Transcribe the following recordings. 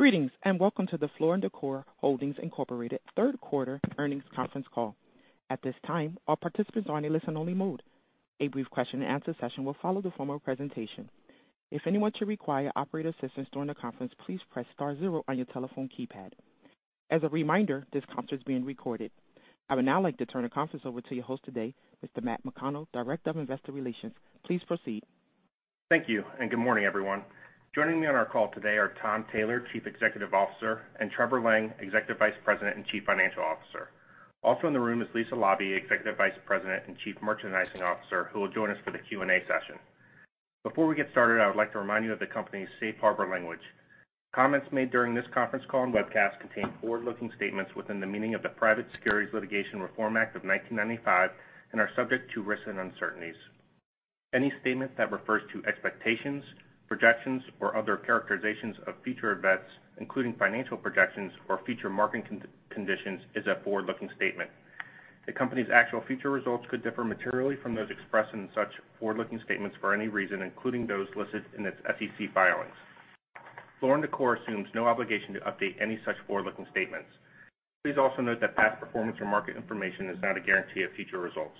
Greetings, and welcome to the Floor & Decor Holdings, Inc. third quarter earnings conference call. At this time, all participants are in a listen only mode. A brief question and answer session will follow the formal presentation. If anyone should require operator assistance during the conference, please press star zero on your telephone keypad. As a reminder, this conference is being recorded. I would now like to turn the conference over to your host today, Mr. Matt McConnell, Director of Investor Relations. Please proceed. Thank you, and good morning, everyone. Joining me on our call today are Tom Taylor, Chief Executive Officer, and Trevor Lang, Executive Vice President and Chief Financial Officer. Also in the room is Lisa Laube, Executive Vice President and Chief Merchandising Officer, who will join us for the Q&A session. Before we get started, I would like to remind you of the company's safe harbor language. Comments made during this conference call and webcast contain forward-looking statements within the meaning of the Private Securities Litigation Reform Act of 1995 and are subject to risks and uncertainties. Any statement that refers to expectations, projections, or other characterizations of future events, including financial projections or future marketing conditions, is a forward-looking statement. The company's actual future results could differ materially from those expressed in such forward-looking statements for any reason, including those listed in its SEC filings. Floor & Decor assumes no obligation to update any such forward-looking statements. Please also note that past performance or market information is not a guarantee of future results.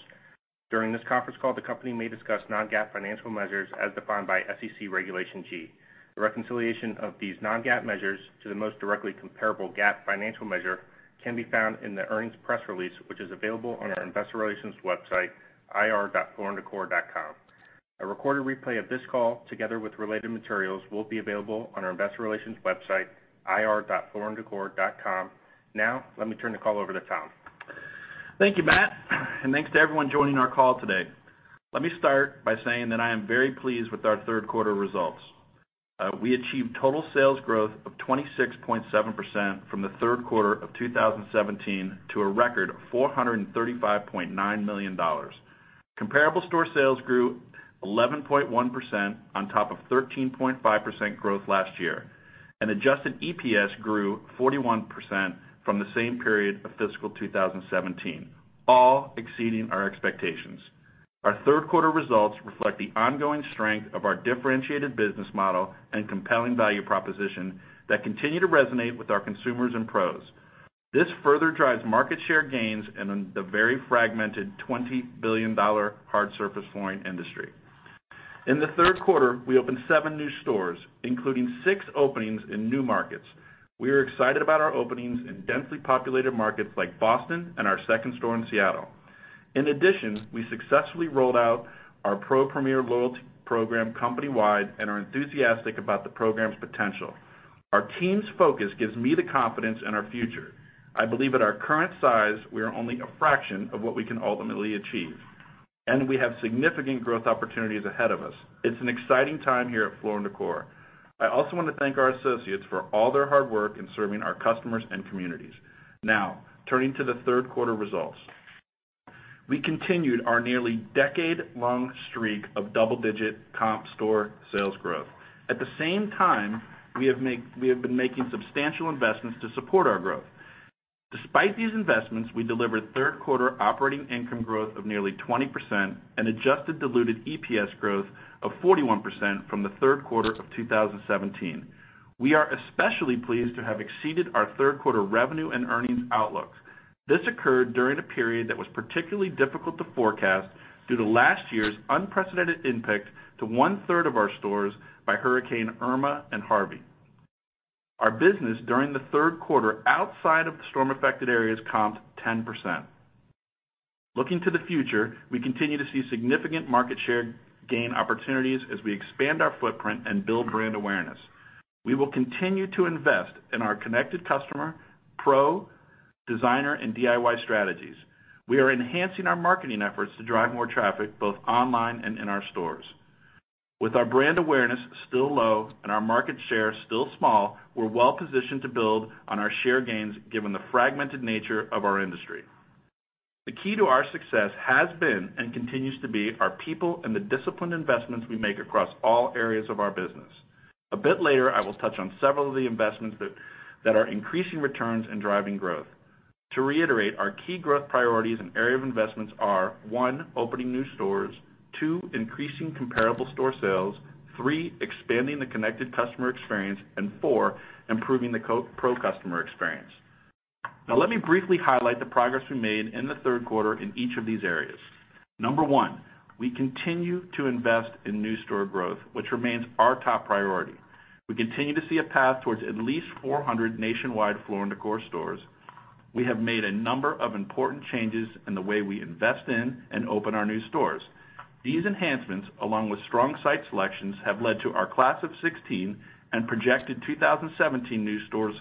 During this conference call, the company may discuss non-GAAP financial measures as defined by SEC Regulation G. The reconciliation of these non-GAAP measures to the most directly comparable GAAP financial measure can be found in the earnings press release, which is available on our investor relations website, ir.flooranddecor.com. A recorded replay of this call, together with related materials, will be available on our investor relations website, ir.flooranddecor.com. Now, let me turn the call over to Tom. Thank you, Matt, and thanks to everyone joining our call today. Let me start by saying that I am very pleased with our third quarter results. We achieved total sales growth of 26.7% from the third quarter of 2017 to a record of $435.9 million. Comparable store sales grew 11.1% on top of 13.5% growth last year. Adjusted EPS grew 41% from the same period of fiscal 2017, all exceeding our expectations. Our third quarter results reflect the ongoing strength of our differentiated business model and compelling value proposition that continue to resonate with our consumers and pros. This further drives market share gains in the very fragmented $20 billion hard surface flooring industry. In the third quarter, we opened seven new stores, including six openings in new markets. We are excited about our openings in densely populated markets like Boston and our second store in Seattle. In addition, we successfully rolled out our PRO Premier loyalty program company-wide and are enthusiastic about the program's potential. Our team's focus gives me the confidence in our future. I believe at our current size, we are only a fraction of what we can ultimately achieve, and we have significant growth opportunities ahead of us. It's an exciting time here at Floor & Decor. I also want to thank our associates for all their hard work in serving our customers and communities. Now, turning to the third quarter results. We continued our nearly decade-long streak of double-digit comp store sales growth. At the same time, we have been making substantial investments to support our growth. Despite these investments, we delivered third quarter operating income growth of nearly 20% and adjusted diluted EPS growth of 41% from the third quarter of 2017. We are especially pleased to have exceeded our third quarter revenue and earnings outlooks. This occurred during a period that was particularly difficult to forecast due to last year's unprecedented impact to one-third of our stores by Hurricane Irma and Harvey. Our business during the third quarter, outside of the storm-affected areas, comped 10%. Looking to the future, we continue to see significant market share gain opportunities as we expand our footprint and build brand awareness. We will continue to invest in our connected customer, PRO, designer, and DIY strategies. We are enhancing our marketing efforts to drive more traffic both online and in our stores. With our brand awareness still low and our market share still small, we're well-positioned to build on our share gains given the fragmented nature of our industry. The key to our success has been, and continues to be, our people and the disciplined investments we make across all areas of our business. A bit later, I will touch on several of the investments that are increasing returns and driving growth. To reiterate, our key growth priorities and area of investments are, one, opening new stores. Two, increasing comparable store sales. Three, expanding the connected customer experience, and four, improving the PRO customer experience. Now, let me briefly highlight the progress we made in the third quarter in each of these areas. Number 1, we continue to invest in new store growth, which remains our top priority. We continue to see a path towards at least 400 nationwide Floor & Decor stores. We have made a number of important changes in the way we invest in and open our new stores. These enhancements, along with strong site selections, have led to our Class of 2016 and projected 2017 new stores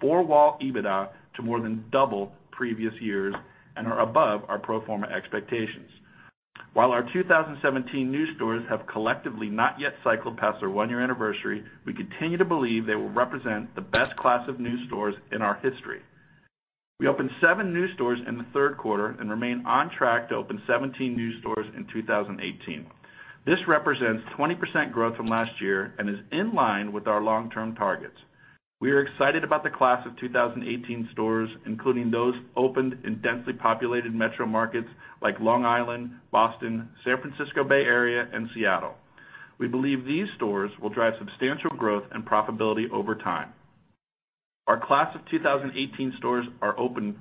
four-wall EBITDA to more than double previous years and are above our pro forma expectations. While our 2017 new stores have collectively not yet cycled past their one-year anniversary, we continue to believe they will represent the best class of new stores in our history. We opened seven new stores in the third quarter and remain on track to open 17 new stores in 2018. This represents 20% growth from last year and is in line with our long-term targets. We are excited about the Class of 2018 stores, including those opened in densely populated metro markets like Long Island, Boston, San Francisco Bay Area, and Seattle. We believe these stores will drive substantial growth and profitability over time. Our class of 2018 stores are opening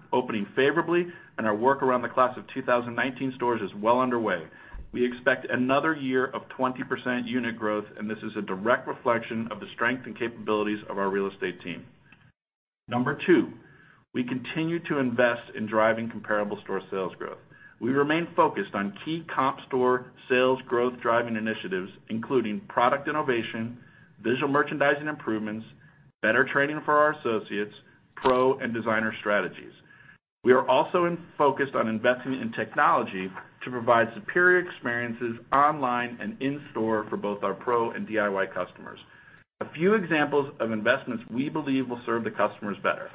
favorably, and our work around the class of 2019 stores is well underway. We expect another year of 20% unit growth, and this is a direct reflection of the strength and capabilities of our real estate team. Number 2, we continue to invest in driving comparable store sales growth. We remain focused on key comp store sales growth driving initiatives, including product innovation, visual merchandising improvements, better training for our associates, PRO and designer strategies. We are also focused on investing in technology to provide superior experiences online and in-store for both our PRO and DIY customers. A few examples of investments we believe will serve the customers better.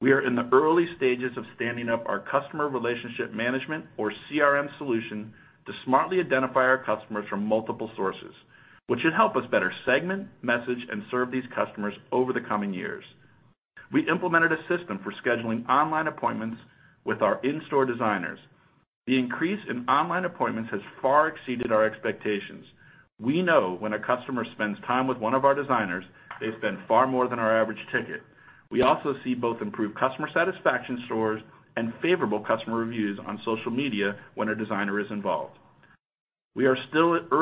We are in the early stages of standing up our customer relationship management, or CRM solution, to smartly identify our customers from multiple sources, which should help us better segment, message, and serve these customers over the coming years. We implemented a system for scheduling online appointments with our in-store designers. The increase in online appointments has far exceeded our expectations. We know when a customer spends time with one of our designers, they spend far more than our average ticket. We also see both improved customer satisfaction scores and favorable customer reviews on social media when a designer is involved. We are excited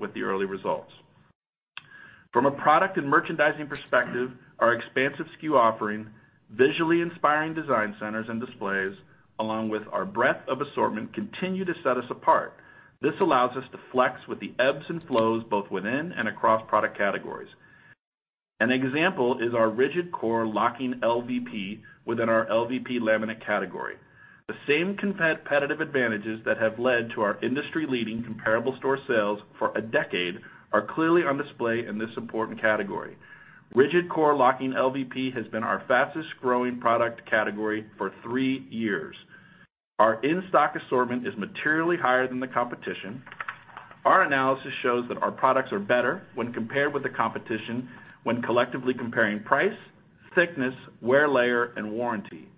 with the early results. From a product and merchandising perspective, our expansive SKU offering, visually inspiring design centers and displays, along with our breadth of assortment, continue to set us apart. This allows us to flex with the ebbs and flows, both within and across product categories. An example is our rigid core locking LVP within our LVP laminate category. The same competitive advantages that have led to our industry-leading comparable store sales for a decade are clearly on display in this important category. Rigid core locking LVP has been our fastest-growing product category for three years. Our in-stock assortment is materially higher than the competition. Our analysis shows that our products are better when compared with the competition when collectively comparing price, thickness, wear layer, and warranty.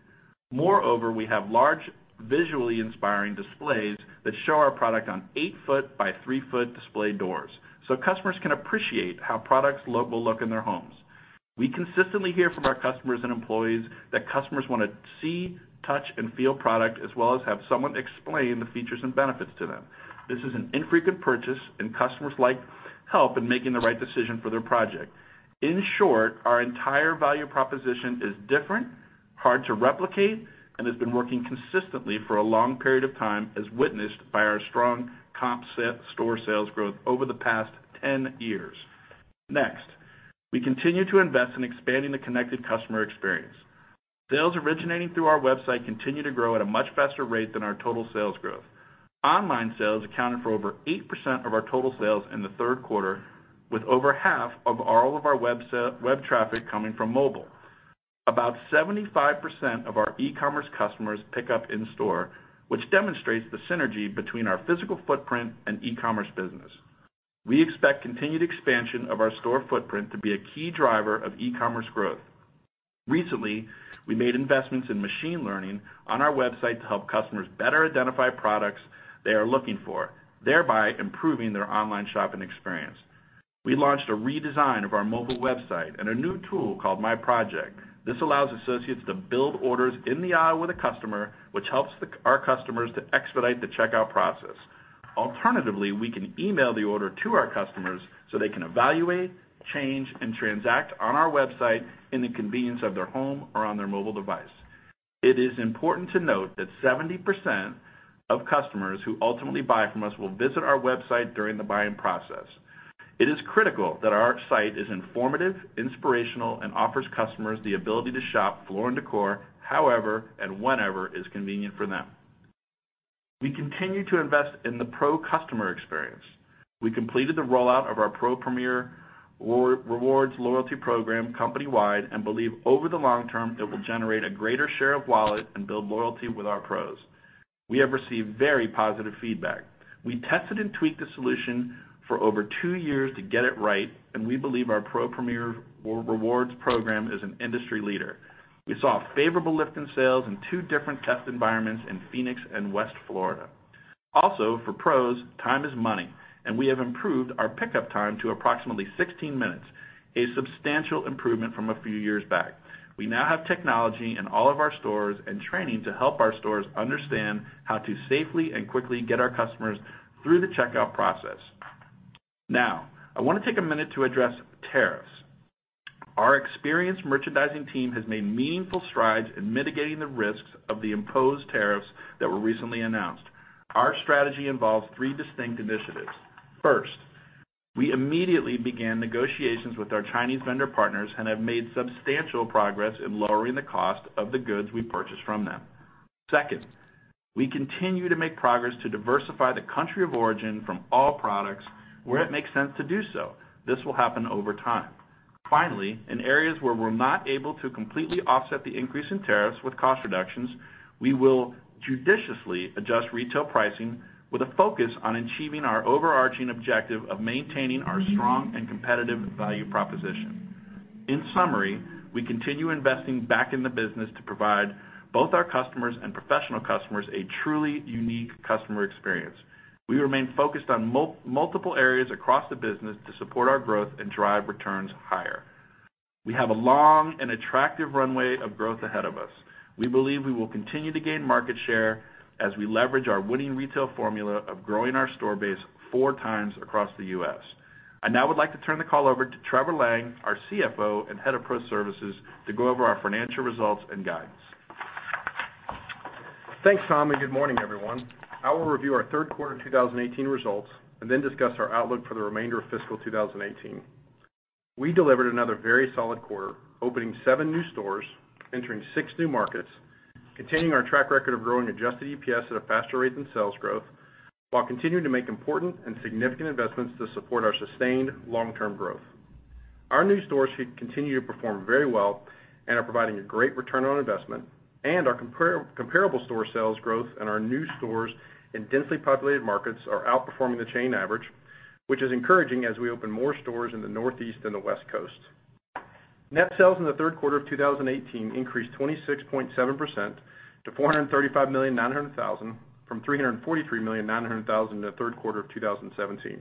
We have large visually inspiring displays that show our product on eight foot by three foot display doors, so customers can appreciate how products will look in their homes. We consistently hear from our customers and employees that customers want to see, touch, and feel product as well as have someone explain the features and benefits to them. This is an infrequent purchase, and customers like help in making the right decision for their project. In short, our entire value proposition is different, hard to replicate, and has been working consistently for a long period of time, as witnessed by our strong comp store sales growth over the past 10 years. We continue to invest in expanding the connected customer experience. Sales originating through our website continue to grow at a much faster rate than our total sales growth. Online sales accounted for over 8% of our total sales in the third quarter, with over half of all of our web traffic coming from mobile. About 75% of our e-commerce customers pick up in store, which demonstrates the synergy between our physical footprint and e-commerce business. We expect continued expansion of our store footprint to be a key driver of e-commerce growth. Recently, we made investments in machine learning on our website to help customers better identify products they are looking for, thereby improving their online shopping experience. We launched a redesign of our mobile website and a new tool called My Project. This allows associates to build orders in the aisle with a customer, which helps our customers to expedite the checkout process. Alternatively, we can email the order to our customers so they can evaluate, change, and transact on our website in the convenience of their home or on their mobile device. It is important to note that 70% of customers who ultimately buy from us will visit our website during the buying process. It is critical that our site is informative, inspirational, and offers customers the ability to shop Floor & Decor however and whenever is convenient for them. We continue to invest in the PRO customer experience. We completed the rollout of our PRO Premier Rewards loyalty program company-wide and believe, over the long term, it will generate a greater share of wallet and build loyalty with our pros. We have received very positive feedback. We tested and tweaked the solution for over two years to get it right, and we believe our PRO Premier Rewards program is an industry leader. We saw a favorable lift in sales in two different test environments in Phoenix and West Florida. Also, for pros, time is money, and we have improved our pickup time to approximately 16 minutes, a substantial improvement from a few years back. We now have technology in all of our stores and training to help our stores understand how to safely and quickly get our customers through the checkout process. I want to take a minute to address tariffs. Our experienced merchandising team has made meaningful strides in mitigating the risks of the imposed tariffs that were recently announced. Our strategy involves three distinct initiatives. First, we immediately began negotiations with our Chinese vendor partners and have made substantial progress in lowering the cost of the goods we purchase from them. Second, we continue to make progress to diversify the country of origin from all products where it makes sense to do so. This will happen over time. Finally, in areas where we're not able to completely offset the increase in tariffs with cost reductions, we will judiciously adjust retail pricing with a focus on achieving our overarching objective of maintaining our strong and competitive value proposition. In summary, we continue investing back in the business to provide both our customers and professional customers a truly unique customer experience. We remain focused on multiple areas across the business to support our growth and drive returns higher. We have a long and attractive runway of growth ahead of us. We believe we will continue to gain market share as we leverage our winning retail formula of growing our store base four times across the U.S. I now would like to turn the call over to Trevor Lang, our CFO and head of Pro Services, to go over our financial results and guidance. Thanks, Tom, and good morning, everyone. I will review our third quarter 2018 results and then discuss our outlook for the remainder of fiscal 2018. We delivered another very solid quarter, opening seven new stores, entering six new markets, continuing our track record of growing adjusted EPS at a faster rate than sales growth, while continuing to make important and significant investments to support our sustained long-term growth. Our new stores continue to perform very well and are providing a great return on investment, and our comparable store sales growth and our new stores in densely populated markets are outperforming the chain average, which is encouraging as we open more stores in the Northeast and the West Coast. Net sales in the third quarter of 2018 increased 26.7% to $435,900,000 from $343,900,000 in the third quarter of 2017.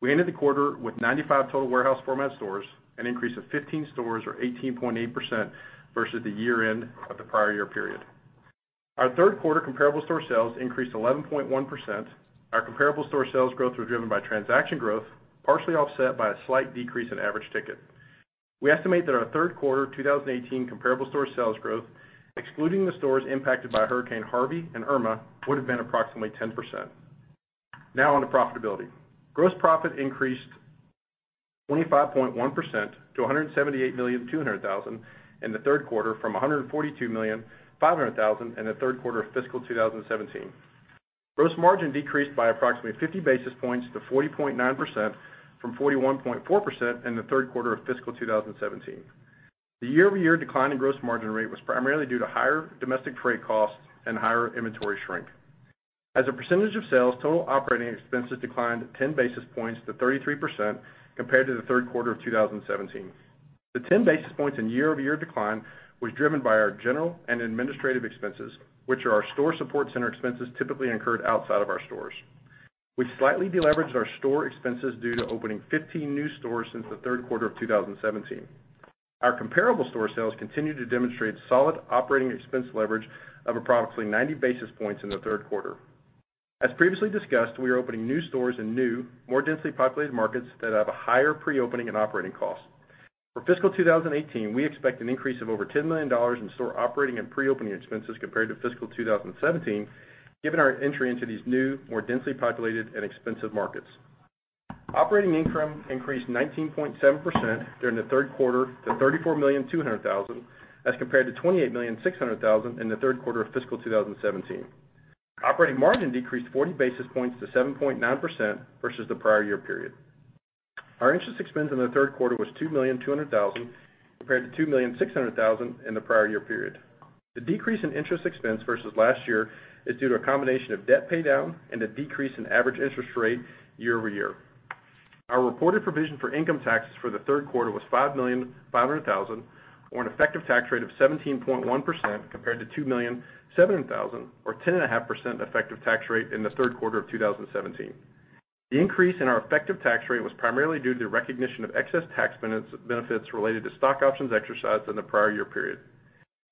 We ended the quarter with 95 total warehouse format stores, an increase of 15 stores or 18.8% versus the year-end of the prior year period. Our third quarter comparable store sales increased 11.1%. Our comparable store sales growth was driven by transaction growth, partially offset by a slight decrease in average ticket. We estimate that our third quarter 2018 comparable store sales growth, excluding the stores impacted by Hurricane Harvey and Irma, would have been approximately 10%. Now on to profitability. Gross profit increased 25.1% to $178,200,000 in the third quarter from $142,500,000 in the third quarter of fiscal 2017. Gross margin decreased by approximately 50 basis points to 40.9%, from 41.4% in the third quarter of fiscal 2017. The year-over-year decline in gross margin rate was primarily due to higher domestic freight costs and higher inventory shrink. As a percentage of sales, total operating expenses declined 10 basis points to 33% compared to the third quarter of 2017. The 10 basis points in year-over-year decline was driven by our general and administrative expenses, which are our store support center expenses typically incurred outside of our stores, which slightly deleveraged our store expenses due to opening 15 new stores since the third quarter of 2017. Our comparable store sales continue to demonstrate solid operating expense leverage of approximately 90 basis points in the third quarter. As previously discussed, we are opening new stores in new, more densely populated markets that have a higher pre-opening and operating cost. For fiscal 2018, we expect an increase of over $10 million in store operating and pre-opening expenses compared to fiscal 2017, given our entry into these new, more densely populated and expensive markets. Operating income increased 19.7% during the third quarter to $34,200,000 as compared to $28,600,000 in the third quarter of fiscal 2017. Operating margin decreased 40 basis points to 7.9% versus the prior year period. Our interest expense in the third quarter was $2,200,000, compared to $2,600,000 in the prior year period. The decrease in interest expense versus last year is due to a combination of debt paydown and a decrease in average interest rate year-over-year. Our reported provision for income taxes for the third quarter was $5,500,000, or an effective tax rate of 17.1%, compared to $2,700,000 or 10.5% effective tax rate in the third quarter of 2017. The increase in our effective tax rate was primarily due to the recognition of excess tax benefits related to stock options exercised in the prior year period.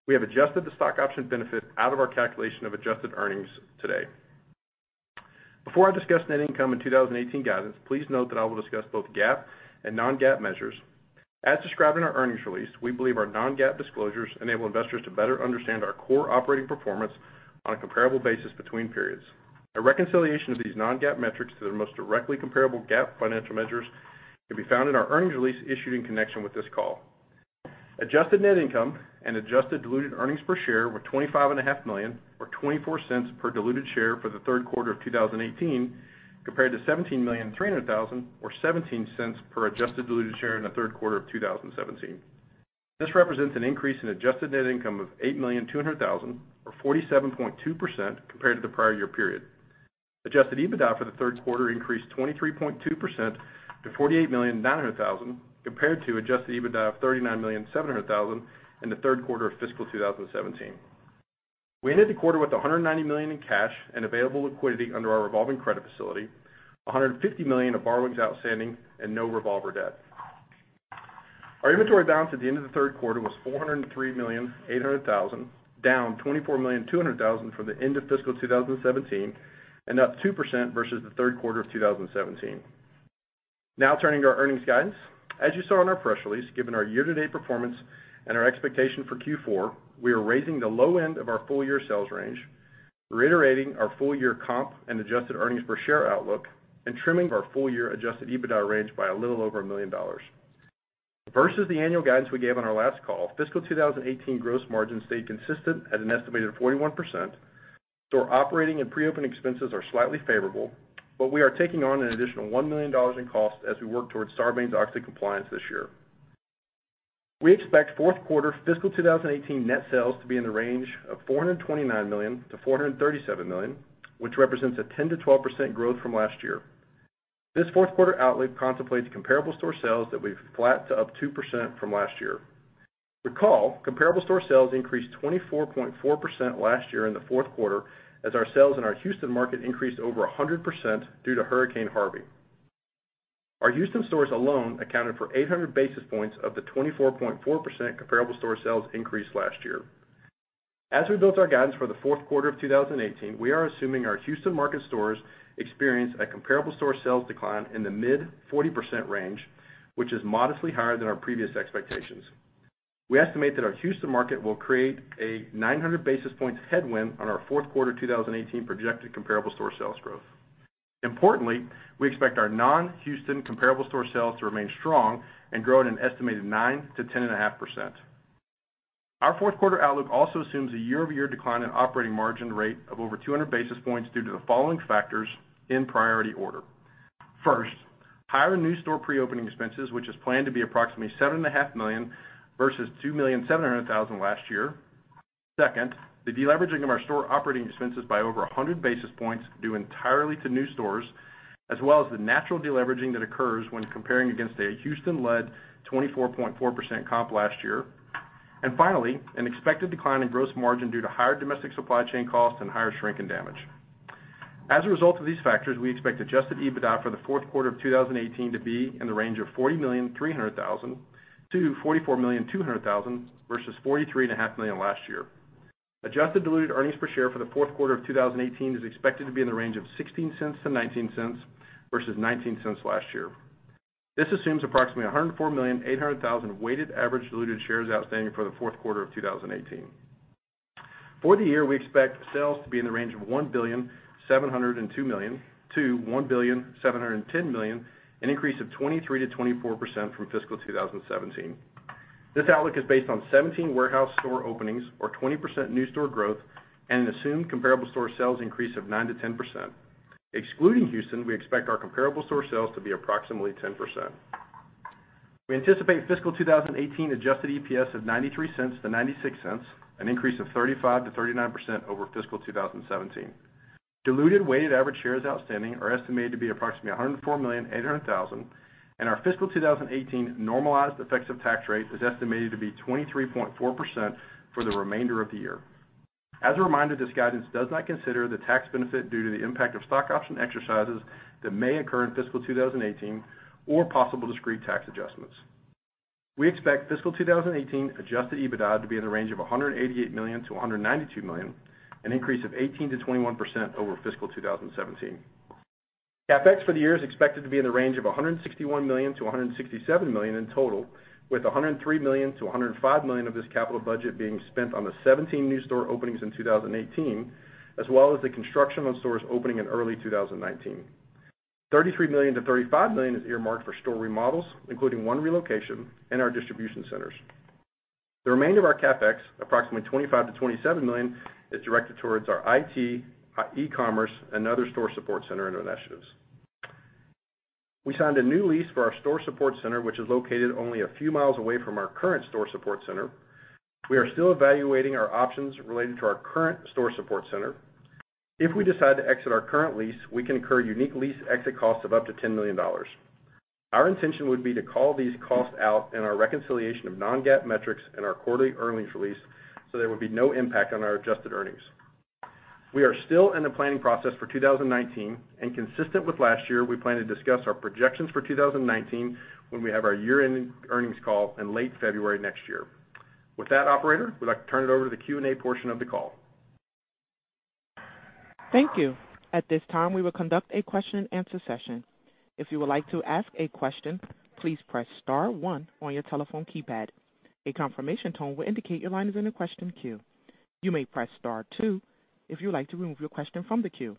We have adjusted the stock option benefit out of our calculation of adjusted earnings today. Before I discuss net income in 2018 guidance, please note that I will discuss both GAAP and non-GAAP measures. As described in our earnings release, we believe our non-GAAP disclosures enable investors to better understand our core operating performance on a comparable basis between periods. A reconciliation of these non-GAAP metrics to their most directly comparable GAAP financial measures can be found in our earnings release issued in connection with this call. Adjusted net income and adjusted diluted earnings per share were $25.5 million or $0.24 per diluted share for the third quarter of 2018, compared to $17,300,000 or $0.17 per adjusted diluted share in the third quarter of 2017. This represents an increase in adjusted net income of $8,200,000 or 47.2% compared to the prior year period. Adjusted EBITDA for the third quarter increased 23.2% to $48,900,000, compared to adjusted EBITDA of $39,700,000 in the third quarter of fiscal 2017. We ended the quarter with $190 million in cash and available liquidity under our revolving credit facility, $150 million of borrowings outstanding and no revolver debt. Our inventory balance at the end of the third quarter was $403,800,000, down $24,200,000 from the end of fiscal 2017 and up 2% versus the third quarter of 2017. Turning to our earnings guidance. As you saw in our press release, given our year-to-date performance and our expectation for Q4, we are raising the low end of our full year sales range, reiterating our full year comp and adjusted earnings per share outlook, and trimming our full year adjusted EBITDA range by a little over a million dollars. Versus the annual guidance we gave on our last call, fiscal 2018 gross margin stayed consistent at an estimated 41%. Store operating and pre-opening expenses are slightly favorable, but we are taking on an additional $1 million in costs as we work towards Sarbanes-Oxley compliance this year. We expect fourth quarter fiscal 2018 net sales to be in the range of $429 million-$437 million, which represents a 10%-12% growth from last year. This fourth quarter outlook contemplates comparable store sales that will be flat to up 2% from last year. Recall, comparable store sales increased 24.4% last year in the fourth quarter, as our sales in our Houston market increased over 100% due to Hurricane Harvey. Our Houston stores alone accounted for 800 basis points of the 24.4% comparable store sales increase last year. As we built our guidance for the fourth quarter of 2018, we are assuming our Houston market stores experienced a comparable store sales decline in the mid-40% range, which is modestly higher than our previous expectations. We estimate that our Houston market will create a 900 basis points headwind on our fourth quarter 2018 projected comparable store sales growth. Importantly, we expect our non-Houston comparable store sales to remain strong and grow at an estimated 9%-10.5%. Our fourth quarter outlook also assumes a year-over-year decline in operating margin rate of over 200 basis points due to the following factors in priority order. First, higher new store pre-opening expenses, which is planned to be approximately $7.5 million versus $2,700,000 last year. Second, the deleveraging of our store operating expenses by over 100 basis points due entirely to new stores, as well as the natural deleveraging that occurs when comparing against a Houston-led 24.4% comp last year. Finally, an expected decline in gross margin due to higher domestic supply chain costs and higher shrink and damage. As a result of these factors, we expect adjusted EBITDA for the fourth quarter of 2018 to be in the range of $40,300,000-$44,200,000 versus $43.5 million last year. Adjusted diluted EPS for the fourth quarter of 2018 is expected to be in the range of $0.16-$0.19 versus $0.19 last year. This assumes approximately 104,800,000 weighted average diluted shares outstanding for the fourth quarter of 2018. For the year, we expect sales to be in the range of $1 billion, 702 million-$1 billion, 710 million, an increase of 23%-24% from fiscal 2017. This outlook is based on 17 warehouse store openings, or 20% new store growth, and an assumed comparable store sales increase of 9%-10%. Excluding Houston, we expect our comparable store sales to be approximately 10%. We anticipate fiscal 2018 adjusted EPS of $0.93-$0.96, an increase of 35%-39% over fiscal 2017. Diluted weighted average shares outstanding are estimated to be approximately 104,800,000, and our fiscal 2018 normalized effective tax rate is estimated to be 23.4% for the remainder of the year. As a reminder, this guidance does not consider the tax benefit due to the impact of stock option exercises that may occur in fiscal 2018 or possible discrete tax adjustments. We expect fiscal 2018 adjusted EBITDA to be in the range of $188 million-$192 million, an increase of 18%-21% over fiscal 2017. CapEx for the year is expected to be in the range of $161 million-$167 million in total, with $103 million-$105 million of this capital budget being spent on the 17 new store openings in 2018, as well as the construction on stores opening in early 2019. $33 million-$35 million is earmarked for store remodels, including one relocation and our distribution centers. The remainder of our CapEx, approximately $25 million-$27 million, is directed towards our IT, eCommerce, and other store support center initiatives. We signed a new lease for our store support center, which is located only a few miles away from our current store support center. We are still evaluating our options relating to our current store support center. If we decide to exit our current lease, we can incur unique lease exit costs of up to $10 million. Our intention would be to call these costs out in our reconciliation of non-GAAP metrics in our quarterly earnings release, so there would be no impact on our adjusted earnings. We are still in the planning process for 2019, and consistent with last year, we plan to discuss our projections for 2019 when we have our year-end earnings call in late February next year. With that, operator, would like to turn it over to the Q&A portion of the call. Thank you. At this time, we will conduct a question and answer session. If you would like to ask a question, please press *1 on your telephone keypad. A confirmation tone will indicate your line is in a question queue. You may press *2 if you would like to remove your question from the queue.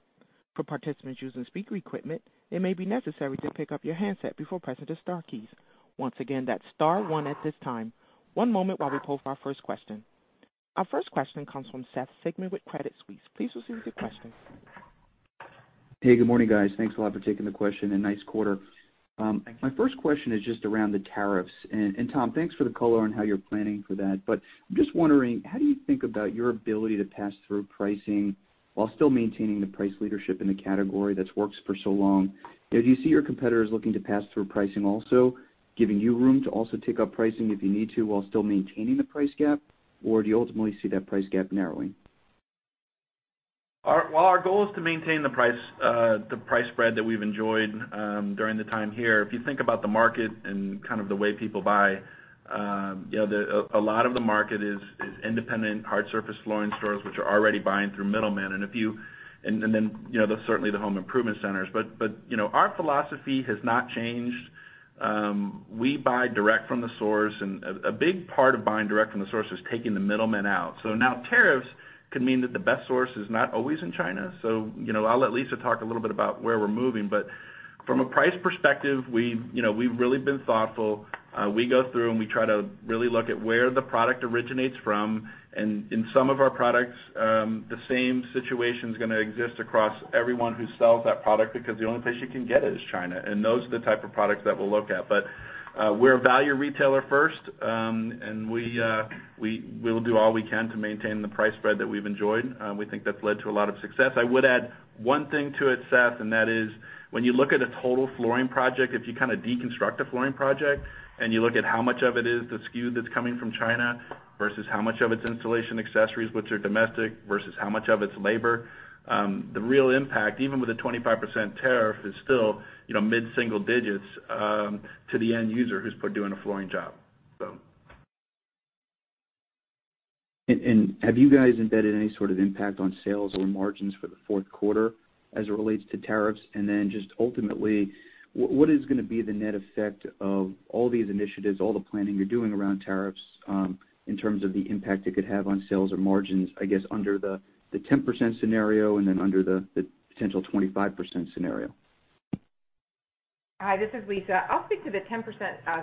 For participants using speaker equipment, it may be necessary to pick up your handset before pressing the star keys. Once again, that's *1 at this time. One moment while we poll for our first question. Our first question comes from Seth Sigman with Credit Suisse. Please proceed with your question. Hey, good morning, guys. Thanks a lot for taking the question and nice quarter. Thanks. My first question is just around the tariffs. Tom, thanks for the color on how you're planning for that. I'm just wondering, how do you think about your ability to pass through pricing while still maintaining the price leadership in the category that's worked for so long? Do you see your competitors looking to pass through pricing also, giving you room to also take up pricing if you need to, while still maintaining the price gap? Do you ultimately see that price gap narrowing? Our goal is to maintain the price spread that we've enjoyed during the time here. If you think about the market and kind of the way people buy, a lot of the market is independent hard surface flooring stores, which are already buying through middlemen, and then certainly the home improvement centers. Our philosophy has not changed. We buy direct from the source, and a big part of buying direct from the source is taking the middleman out. Tariffs could mean that the best source is not always in China. I'll let Lisa talk a little bit about where we're moving, but from a price perspective, we've really been thoughtful. We go through, and we try to really look at where the product originates from. In some of our products, the same situation's going to exist across everyone who sells that product because the only place you can get it is China, and those are the type of products that we'll look at. We're a value retailer first, and we'll do all we can to maintain the price spread that we've enjoyed. We think that's led to a lot of success. I would add one thing to it, Seth, and that is, when you look at a total flooring project, if you deconstruct a flooring project and you look at how much of it is the SKU that's coming from China versus how much of it is installation accessories, which are domestic, versus how much of it is labor, the real impact, even with a 25% tariff, is still mid-single digits to the end user who's doing a flooring job. Have you guys embedded any sort of impact on sales or margins for the fourth quarter as it relates to tariffs? Just ultimately, what is going to be the net effect of all these initiatives, all the planning you're doing around tariffs, in terms of the impact it could have on sales or margins, I guess, under the 10% scenario and then under the potential 25% scenario? Hi, this is Lisa. I'll speak to the 10%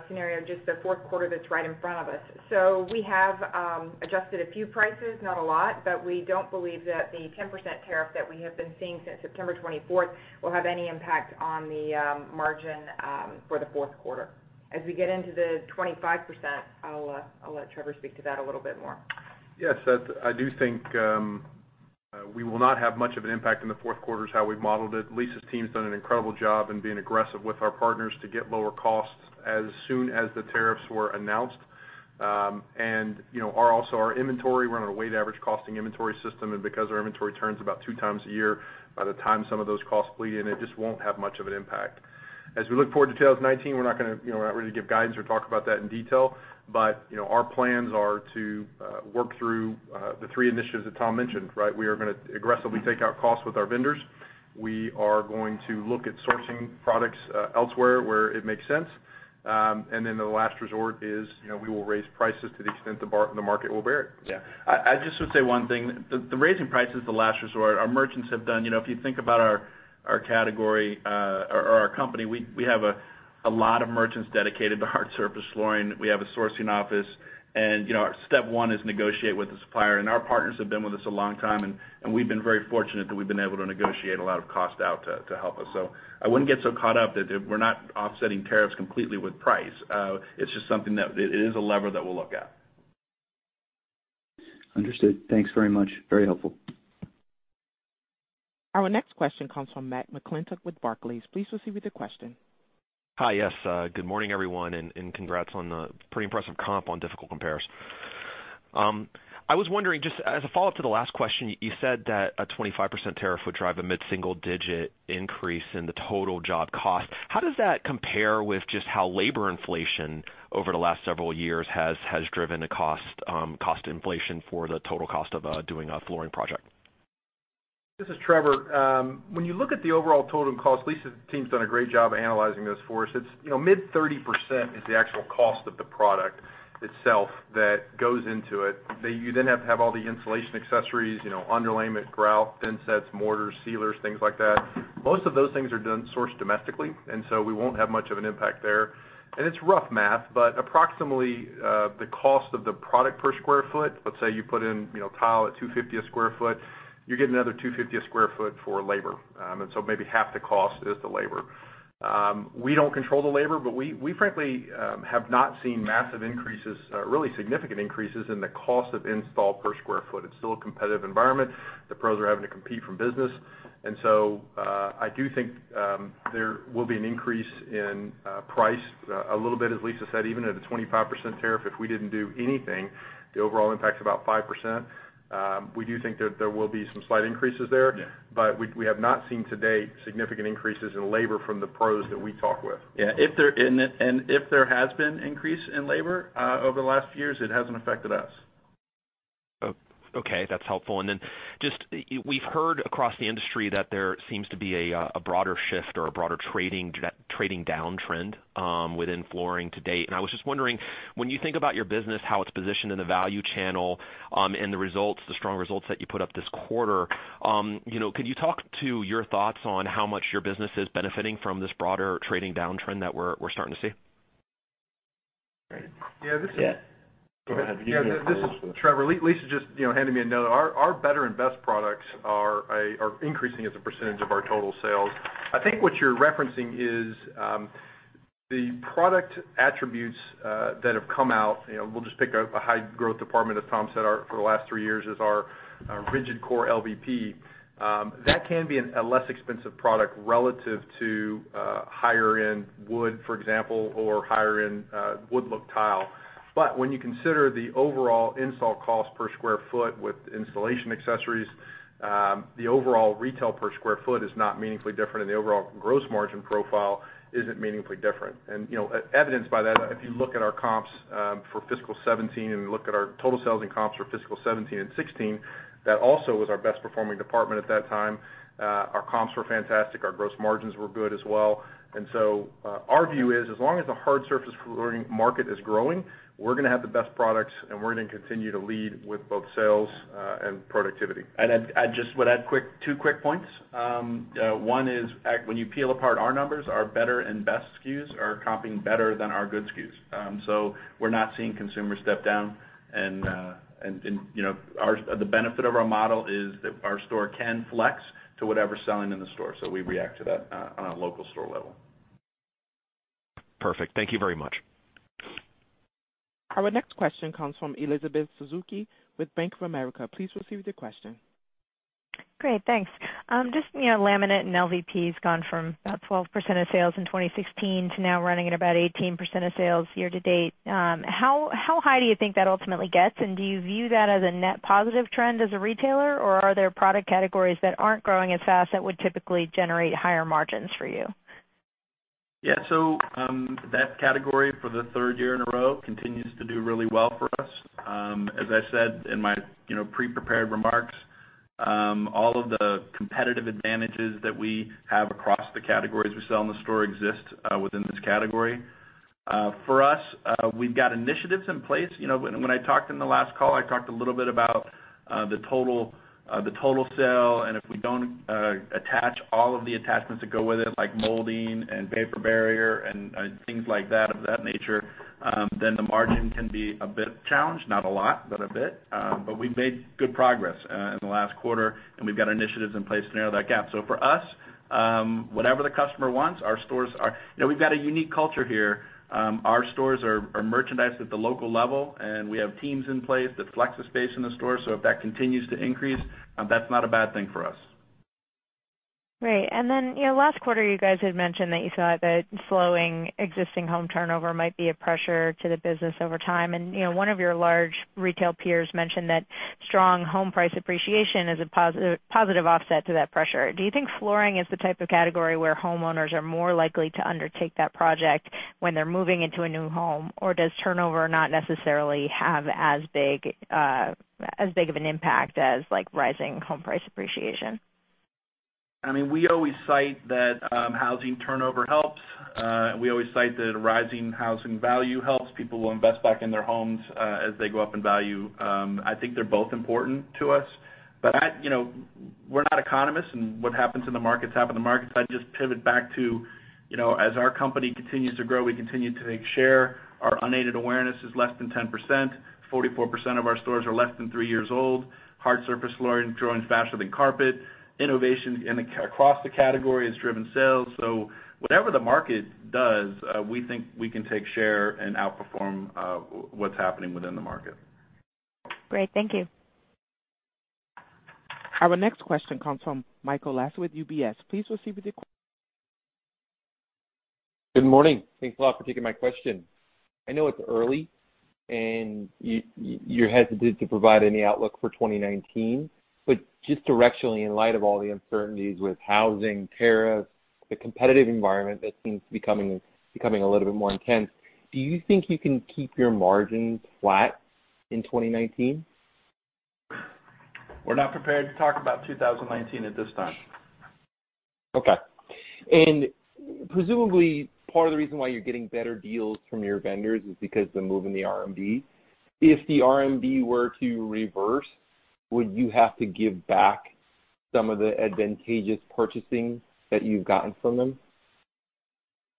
scenario, just the fourth quarter that's right in front of us. We have adjusted a few prices, not a lot, but we don't believe that the 10% tariff that we have been seeing since September 24th will have any impact on the margin for the fourth quarter. As we get into the 25%, I'll let Trevor speak to that a little bit more. Yes, Seth, I do think we will not have much of an impact in the fourth quarter, is how we've modeled it. Lisa's team's done an incredible job in being aggressive with our partners to get lower costs as soon as the tariffs were announced. Also our inventory, we're on a weighted average costing inventory system, and because our inventory turns about two times a year, by the time some of those costs bleed in, it just won't have much of an impact. As we look forward to 2019, we're not ready to give guidance or talk about that in detail, but our plans are to work through the three initiatives that Tom mentioned. We are going to aggressively take out costs with our vendors. We are going to look at sourcing products elsewhere where it makes sense. Then the last resort is, we will raise prices to the extent the market will bear it. Yeah. I just would say one thing. The raising price is the last resort. If you think about our company, we have a lot of merchants dedicated to hard surface flooring. We have a sourcing office, step 1 is negotiate with the supplier. Our partners have been with us a long time, and we've been very fortunate that we've been able to negotiate a lot of cost out to help us. I wouldn't get so caught up that we're not offsetting tariffs completely with price. It's just something that, it is a lever that we'll look at. Understood. Thanks very much. Very helpful. Our next question comes from Matt McClintock with Barclays. Please proceed with your question. Hi. Yes. Good morning, everyone, congrats on the pretty impressive comp on difficult compares. I was wondering, just as a follow-up to the last question, you said that a 25% tariff would drive a mid-single digit increase in the total job cost. How does that compare with just how labor inflation over the last several years has driven the cost inflation for the total cost of doing a flooring project? This is Trevor. When you look at the overall total cost, Lisa's team's done a great job analyzing this for us. Mid 30% is the actual cost of the product itself that goes into it. You then have to have all the installation accessories, underlayment, grout, thinsets, mortars, sealers, things like that. Most of those things are sourced domestically, we won't have much of an impact there. It's rough math, but approximately, the cost of the product per square foot, let's say you put in tile at $2.50 a square foot, you're getting another $2.50 a square foot for labor. Maybe half the cost is the labor. We don't control the labor, but we frankly have not seen massive increases, really significant increases in the cost of install per square foot. It's still a competitive environment. The pros are having to compete for business. I do think there will be an increase in price, a little bit, as Lisa said, even at a 25% tariff, if we didn't do anything, the overall impact's about 5%. We do think that there will be some slight increases there. Yeah. we have not seen to date significant increases in labor from the pros that we talk with. Yeah. If there has been increase in labor over the last few years, it hasn't affected us. Okay. That's helpful. Then just, we've heard across the industry that there seems to be a broader shift or a broader trading downtrend within flooring to date. I was just wondering, when you think about your business, how it's positioned in the value channel, and the results, the strong results that you put up this quarter, could you talk to your thoughts on how much your business is benefiting from this broader trading downtrend that we're starting to see? Yeah. Yeah. Go ahead. Yeah, this is Trevor. Lisa just handed me a note. Our better and best products are increasing as a percentage of our total sales. I think what you're referencing is the product attributes that have come out, we'll just pick a high growth department, as Tom said, for the last 3 years is our rigid core LVP. When you consider the overall install cost per square foot with installation accessories, the overall retail per square foot is not meaningfully different, and the overall gross margin profile isn't meaningfully different. Evidenced by that, if you look at our comps for fiscal 2017, and look at our total sales and comps for fiscal 2017 and 2016, that also was our best-performing department at that time. Our comps were fantastic. Our gross margins were good as well. Our view is, as long as the hard surface flooring market is growing, we're going to have the best products, and we're going to continue to lead with both sales and productivity. I just would add two quick points. One is, when you peel apart our numbers, our better and best SKUs are comping better than our good SKUs. We're not seeing consumers step down, and the benefit of our model is that our store can flex to whatever's selling in the store. We react to that on a local store level. Perfect. Thank you very much. Our next question comes from Elizabeth Suzuki with Bank of America. Please proceed with your question. Great, thanks. Just, laminate and LVP has gone from about 12% of sales in 2016 to now running at about 18% of sales year to date. How high do you think that ultimately gets? Do you view that as a net positive trend as a retailer, or are there product categories that aren't growing as fast that would typically generate higher margins for you? Yeah. That category for the third year in a row continues to do really well for us. As I said in my pre-prepared remarks, all of the competitive advantages that we have across the categories we sell in the store exist within this category. For us, we've got initiatives in place. When I talked in the last call, I talked a little bit about the total sale, and if we don't attach all of the attachments that go with it, like molding and vapor barrier and things like that of that nature, then the margin can be a bit challenged, not a lot, but a bit. We've made good progress in the last quarter, and we've got initiatives in place to narrow that gap. For us, whatever the customer wants, We've got a unique culture here. Our stores are merchandised at the local level, and we have teams in place that flex the space in the store. If that continues to increase, that's not a bad thing for us. Great. Last quarter, you guys had mentioned that you saw that slowing existing home turnover might be a pressure to the business over time, and one of your large retail peers mentioned that strong home price appreciation is a positive offset to that pressure. Do you think flooring is the type of category where homeowners are more likely to undertake that project when they're moving into a new home, or does turnover not necessarily have as big of an impact as rising home price appreciation? We always cite that housing turnover helps. We always cite that rising housing value helps. People will invest back in their homes, as they go up in value. I think they're both important to us, but we're not economists and what happens in the markets, happen in the markets. I'd just pivot back to, as our company continues to grow, we continue to take share. Our unaided awareness is less than 10%. 44% of our stores are less than three years old. Hard surface flooring growing faster than carpet. Innovation across the category has driven sales. Whatever the market does, we think we can take share and outperform what's happening within the market. Great. Thank you. Our next question comes from Michael Lasser with UBS. Please proceed with your question. Good morning. Thanks a lot for taking my question. I know it's early, you're hesitant to provide any outlook for 2019, just directionally, in light of all the uncertainties with housing, tariffs, the competitive environment that seems to be becoming a little bit more intense, do you think you can keep your margins flat in 2019? We're not prepared to talk about 2019 at this time. Okay. Presumably, part of the reason why you're getting better deals from your vendors is because the move in the RMB. If the RMB were to reverse, would you have to give back some of the advantageous purchasing that you've gotten from them?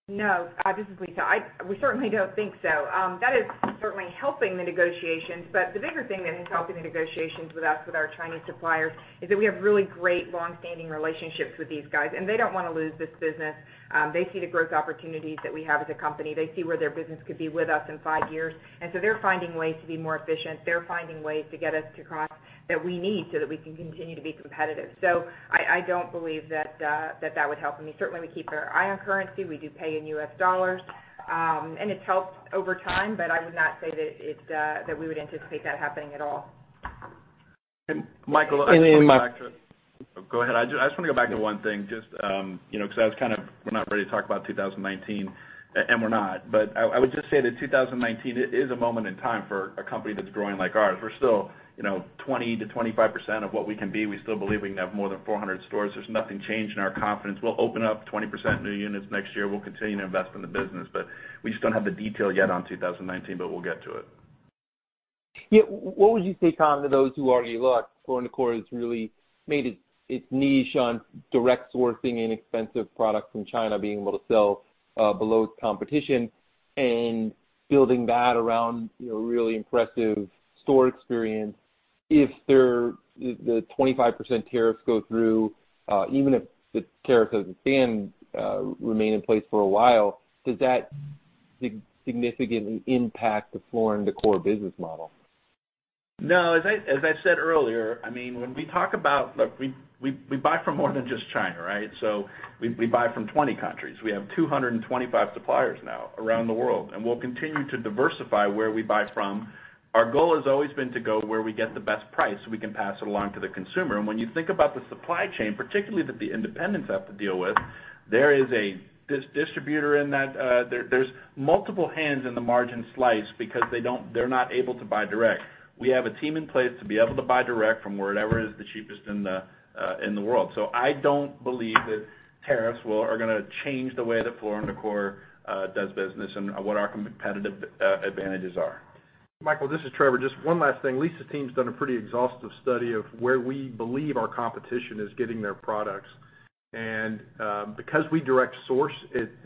No. This is Lisa. We certainly don't think so. That is certainly helping the negotiations, but the bigger thing that has helped in the negotiations with us, with our Chinese suppliers, is that we have really great longstanding relationships with these guys, and they don't want to lose this business. They see the growth opportunities that we have as a company. They see where their business could be with us in five years. They're finding ways to be more efficient. They're finding ways to get us to cost that we need so that we can continue to be competitive. I don't believe that that would help. I mean, certainly we keep our eye on currency. We do pay in U.S. dollars. It's helped over time, but I would not say that we would anticipate that happening at all. Michael, I just want to go back to. And- Go ahead. I just want to go back to one thing, just because that was kind of, we're not ready to talk about 2019, and we're not. I would just say that 2019 is a moment in time for a company that's growing like ours. We're still 20%-25% of what we can be. We still believe we can have more than 400 stores. There's nothing changed in our confidence. We'll open up 20% new units next year. We'll continue to invest in the business. We just don't have the detail yet on 2019, but we'll get to it. Yeah. What would you say, Tom, to those who argue, look, Floor & Decor has really made its niche on direct sourcing inexpensive products from China, being able to sell below its competition and building that around really impressive store experience. If the 25% tariffs go through, even if the tariff doesn't ban, remain in place for a while, does that significantly impact the Floor & Decor business model? No, as I said earlier, when we talk about, we buy from more than just China, right? We buy from 20 countries. We have 225 suppliers now around the world, and we'll continue to diversify where we buy from. Our goal has always been to go where we get the best price, so we can pass it along to the consumer. When you think about the supply chain, particularly that the independents have to deal with, there's multiple hands in the margin slice because they're not able to buy direct. We have a team in place to be able to buy direct from wherever is the cheapest in the world. I don't believe that tariffs are gonna change the way that Floor & Decor does business and what our competitive advantages are. Michael, this is Trevor. Just one last thing. Lisa's team's done a pretty exhaustive study of where we believe our competition is getting their products. Because we direct source,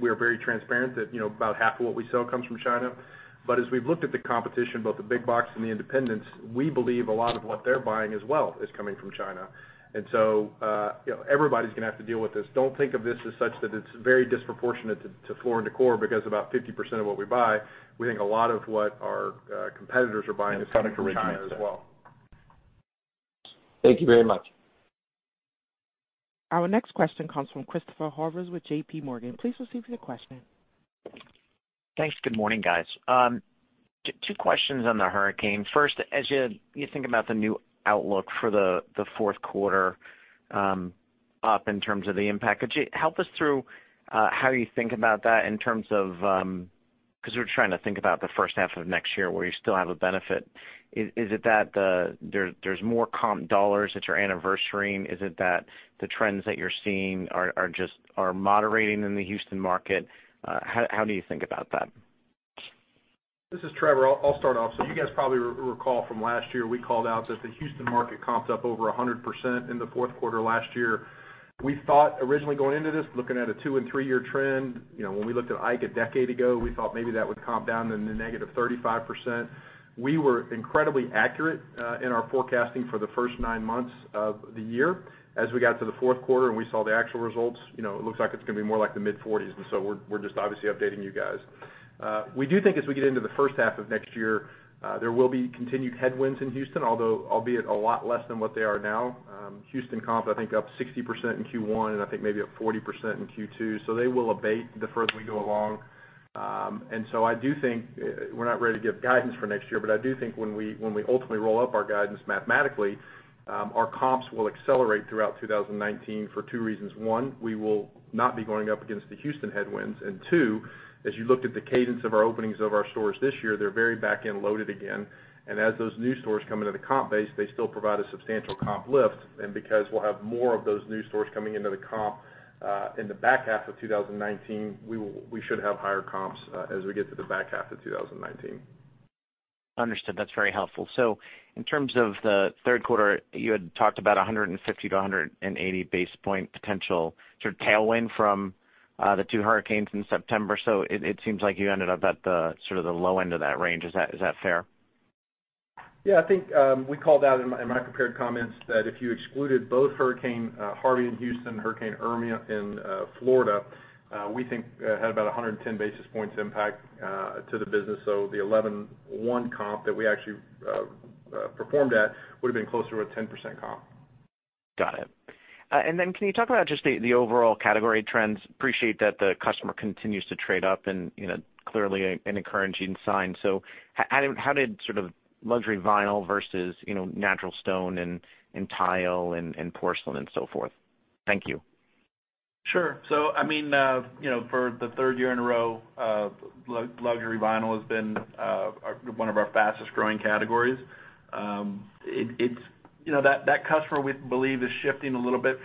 we are very transparent that about half of what we sell comes from China. As we've looked at the competition, both the big box and the independents, we believe a lot of what they're buying as well is coming from China. Everybody's gonna have to deal with this. Don't think of this as such that it's very disproportionate to Floor & Decor because about 50% of what we buy, we think a lot of what our competitors are buying is coming from China as well. Thank you very much. Our next question comes from Christopher Horvers with JPMorgan. Please proceed with your question. Thanks. Good morning, guys. Two questions on the hurricane. First, as you think about the new outlook for the fourth quarter, up in terms of the impact, could you help us through how you think about that in terms of We're trying to think about the first half of next year where you still have a benefit. Is it that there's more comp dollars that you're anniversarying? Is it that the trends that you're seeing are moderating in the Houston market? How do you think about that? This is Trevor. I'll start off. You guys probably recall from last year, we called out that the Houston market comped up over 100% in the fourth quarter last year. We thought originally going into this, looking at a two and three-year trend, when we looked at Ike a decade ago, we thought maybe that would comp down in the negative 35%. We were incredibly accurate in our forecasting for the first nine months of the year. As we got to the fourth quarter and we saw the actual results, it looks like it's going to be more like the mid-40s, we're just obviously updating you guys. We do think as we get into the first half of next year, there will be continued headwinds in Houston, although albeit a lot less than what they are now. Houston comp, I think up 60% in Q1, I think maybe up 40% in Q2. They will abate the further we go along. I do think we're not ready to give guidance for next year, but I do think when we ultimately roll up our guidance mathematically, our comps will accelerate throughout 2019 for two reasons. One, we will not be going up against the Houston headwinds. Two, as you looked at the cadence of our openings of our stores this year, they're very back-end loaded again. As those new stores come into the comp base, they still provide a substantial comp lift. Because we'll have more of those new stores coming into the comp in the back half of 2019, we should have higher comps as we get to the back half of 2019. Understood. That's very helpful. In terms of the third quarter, you had talked about 150 to 180 basis points potential sort of tailwind from the two hurricanes in September. It seems like you ended up at the low end of that range. Is that fair? I think we called out in my prepared comments that if you excluded both Hurricane Harvey in Houston and Hurricane Irma in Florida, we think had about 110 basis points impact to the business. The 11.1 comp that we actually performed at would've been closer to a 10% comp. Got it. Can you talk about just the overall category trends? Appreciate that the customer continues to trade up and clearly an encouraging sign. How did sort of luxury vinyl versus natural stone and tile and porcelain and so forth? Thank you. Sure. For the third year in a row, luxury vinyl has been one of our fastest-growing categories. That customer, we believe, is shifting a little bit,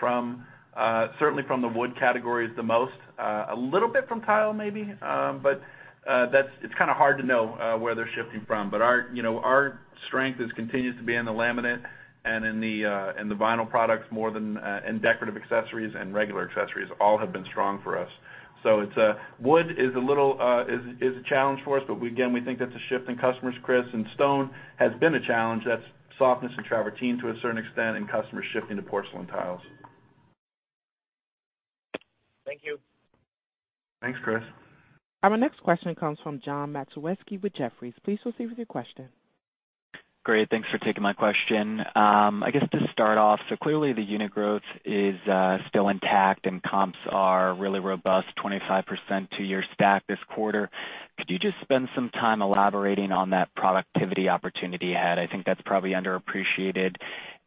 certainly from the wood categories the most. A little bit from tile maybe, but it's kind of hard to know where they're shifting from. Our strength continues to be in the laminate and in the vinyl products more than in decorative accessories and regular accessories, all have been strong for us. Wood is a challenge for us, but again, we think that's a shift in customers, Chris. Stone has been a challenge. That's softness in travertine to a certain extent, and customers shifting to porcelain tiles. Thank you. Thanks, Chris. Our next question comes from Jon Matuszweski with Jefferies. Please proceed with your question. Great. Thanks for taking my question. I guess to start off, clearly the unit growth is still intact and comps are really robust, 25% two-year stack this quarter. Could you just spend some time elaborating on that productivity opportunity you had? I think that's probably underappreciated.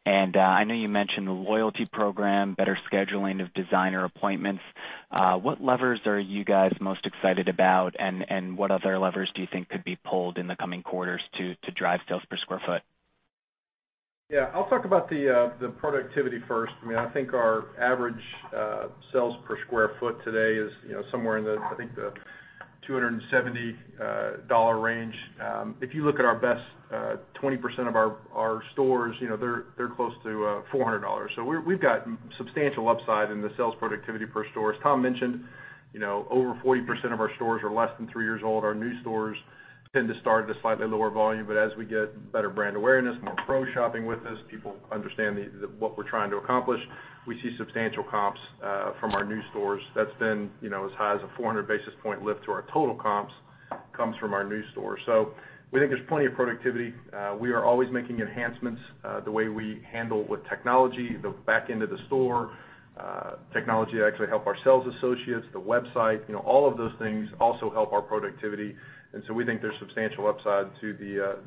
I know you mentioned the loyalty program, better scheduling of designer appointments. What levers are you guys most excited about, and what other levers do you think could be pulled in the coming quarters to drive sales per square foot? I'll talk about the productivity first. I think our average sales per square foot today is somewhere in the $270 range. If you look at our best 20% of our stores, they're close to $400. We've got substantial upside in the sales productivity per store. As Tom mentioned, over 40% of our stores are less than three years old. Our new stores tend to start at a slightly lower volume, as we get better brand awareness, more pros shopping with us, people understand what we're trying to accomplish. We see substantial comps from our new stores. That's been as high as a 400 basis point lift to our total comps comes from our new store. We think there's plenty of productivity. We are always making enhancements, the way we handle with technology, the back end of the store, technology to actually help our sales associates, the website. All of those things also help our productivity. We think there's substantial upside to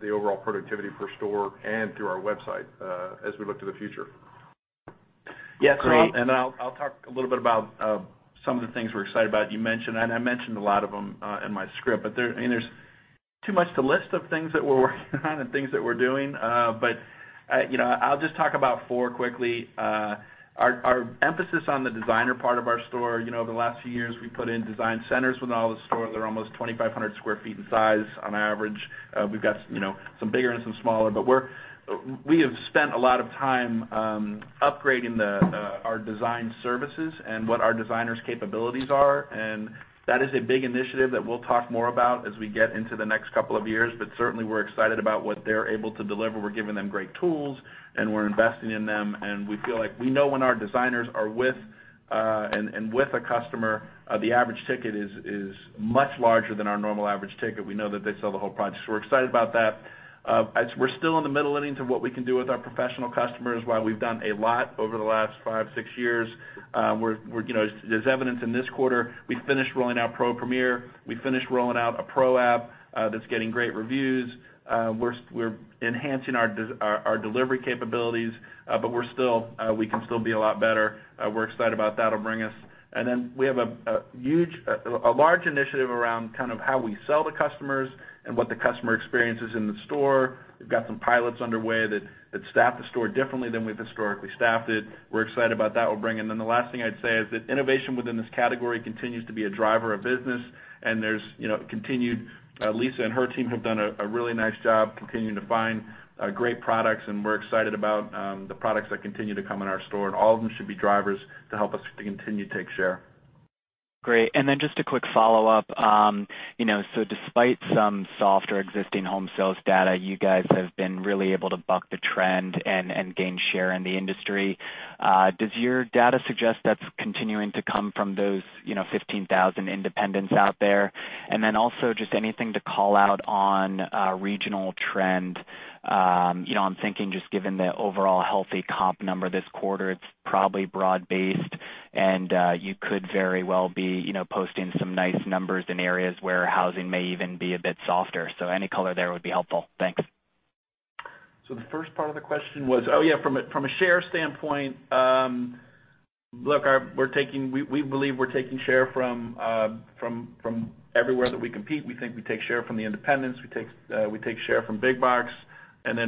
the overall productivity per store and through our website as we look to the future. Yeah, Tom. I'll talk a little bit about some of the things we're excited about. You mentioned, I mentioned a lot of them in my script. There's too much to list of things that we're working on and things that we're doing. I'll just talk about four quickly. Our emphasis on the designer part of our store. The last few years, we put in design centers within all the stores. They're almost 2,500 sq ft in size on average. We've got some bigger and some smaller. We have spent a lot of time upgrading our design services and what our designers' capabilities are. That is a big initiative that we'll talk more about as we get into the next couple of years. Certainly, we're excited about what they're able to deliver. We're giving them great tools, and we're investing in them. We feel like we know when our designers are with a customer, the average ticket is much larger than our normal average ticket. We know that they sell the whole project. We're excited about that. We're still in the middle innings of what we can do with our professional customers, while we've done a lot over the last five, six years. As evidence in this quarter, we finished rolling out PRO Premier. We finished rolling out a PRO app that's getting great reviews. We're enhancing our delivery capabilities. We can still be a lot better. We're excited about that'll bring us. We have a large initiative around how we sell to customers and what the customer experience is in the store. We've got some pilots underway that staff the store differently than we've historically staffed it. We're excited about that will bring. The last thing I'd say is that innovation within this category continues to be a driver of business, and Lisa and her team have done a really nice job continuing to find great products, and we're excited about the products that continue to come in our store. All of them should be drivers to help us to continue to take share. Great. Just a quick follow-up. Despite some softer existing home sales data, you guys have been really able to buck the trend and gain share in the industry. Does your data suggest that's continuing to come from those 15,000 independents out there? Also just anything to call out on regional trend. I'm thinking just given the overall healthy comp number this quarter, it's probably broad-based, and you could very well be posting some nice numbers in areas where housing may even be a bit softer. Any color there would be helpful. Thanks. The first part of the question was from a share standpoint, we believe we're taking share from everywhere that we compete. We think we take share from the independents. We take share from big box,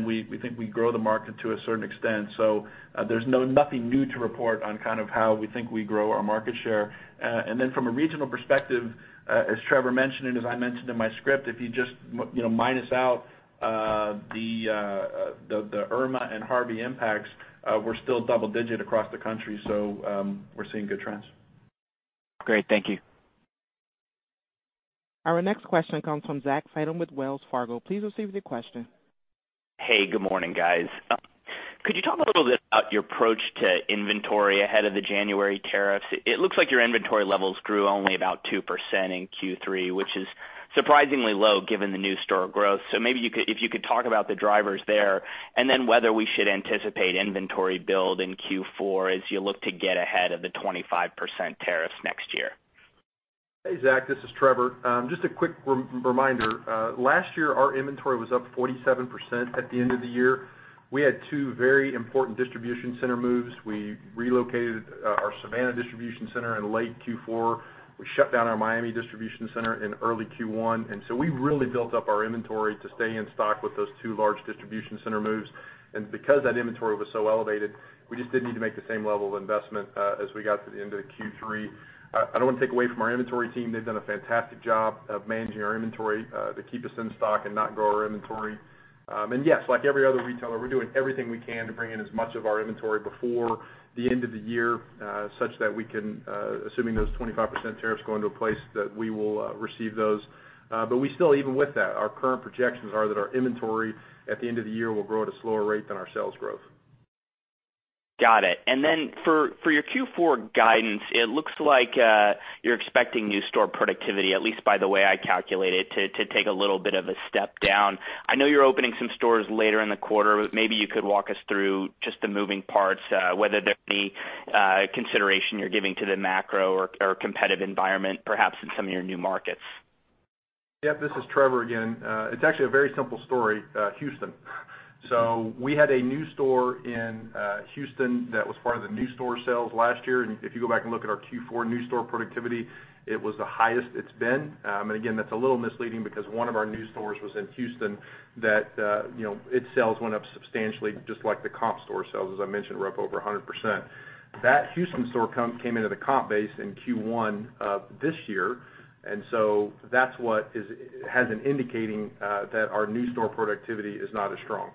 we think we grow the market to a certain extent. There's nothing new to report on how we think we grow our market share. From a regional perspective, as Trevor mentioned and as I mentioned in my script, if you just minus out the Irma and Harvey impacts, we're still double-digit across the country, we're seeing good trends. Great. Thank you. Our next question comes from Zachary Fadem with Wells Fargo. Please proceed with your question. Hey, good morning, guys. Could you talk a little bit about your approach to inventory ahead of the January tariffs? It looks like your inventory levels grew only about 2% in Q3, which is surprisingly low given the new store growth. Maybe if you could talk about the drivers there, and then whether we should anticipate inventory build in Q4 as you look to get ahead of the 25% tariffs next year. Hey, Zach. This is Trevor. Just a quick reminder. Last year, our inventory was up 47% at the end of the year. We had two very important distribution center moves. We relocated our Savannah distribution center in late Q4. We shut down our Miami distribution center in early Q1. We really built up our inventory to stay in stock with those two large distribution center moves. Because that inventory was so elevated, we just didn't need to make the same level of investment as we got to the end of Q3. I don't want to take away from our inventory team. They've done a fantastic job of managing our inventory to keep us in stock and not grow our inventory. Yes, like every other retailer, we're doing everything we can to bring in as much of our inventory before the end of the year such that we can, assuming those 25% tariffs go into place, that we will receive those. We still, even with that, our current projections are that our inventory at the end of the year will grow at a slower rate than our sales growth. Got it. For your Q4 guidance, it looks like you're expecting new store productivity, at least by the way I calculate it, to take a little bit of a step down. I know you're opening some stores later in the quarter, but maybe you could walk us through just the moving parts whether there be consideration you're giving to the macro or competitive environment, perhaps in some of your new markets. Yep, this is Trevor Lang again. It's actually a very simple story, Houston. We had a new store in Houston that was part of the new store sales last year. If you go back and look at our Q4 new store productivity, it was the highest it's been. Again, that's a little misleading because one of our new stores was in Houston that its sales went up substantially, just like the comp store sales, as I mentioned, were up over 100%. That Houston store came into the comp base in Q1 of this year, that's what has been indicating that our new store productivity is not as strong.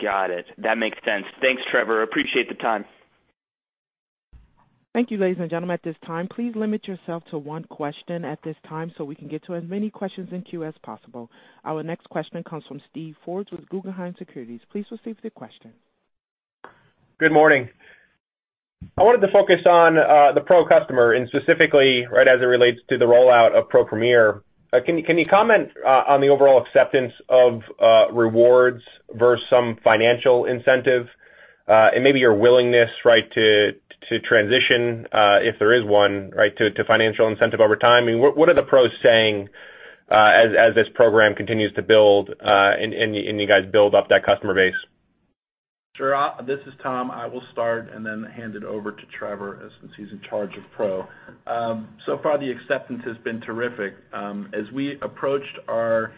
Got it. That makes sense. Thanks, Trevor Lang. Appreciate the time. Thank you, ladies and gentlemen. At this time, please limit yourself to one question at this time so we can get to as many questions in queue as possible. Our next question comes from Steven Forbes with Guggenheim Securities. Please proceed with your question. Good morning. I wanted to focus on the PRO customer, specifically right as it relates to the rollout of PRO Premier. Can you comment on the overall acceptance of rewards versus some financial incentive? Maybe your willingness to transition, if there is one, to financial incentive over time. What are the PROs saying as this program continues to build and you guys build up that customer base? Sure. This is Tom. I will start and then hand it over to Trevor since he's in charge of PRO. So far, the acceptance has been terrific. As we approached our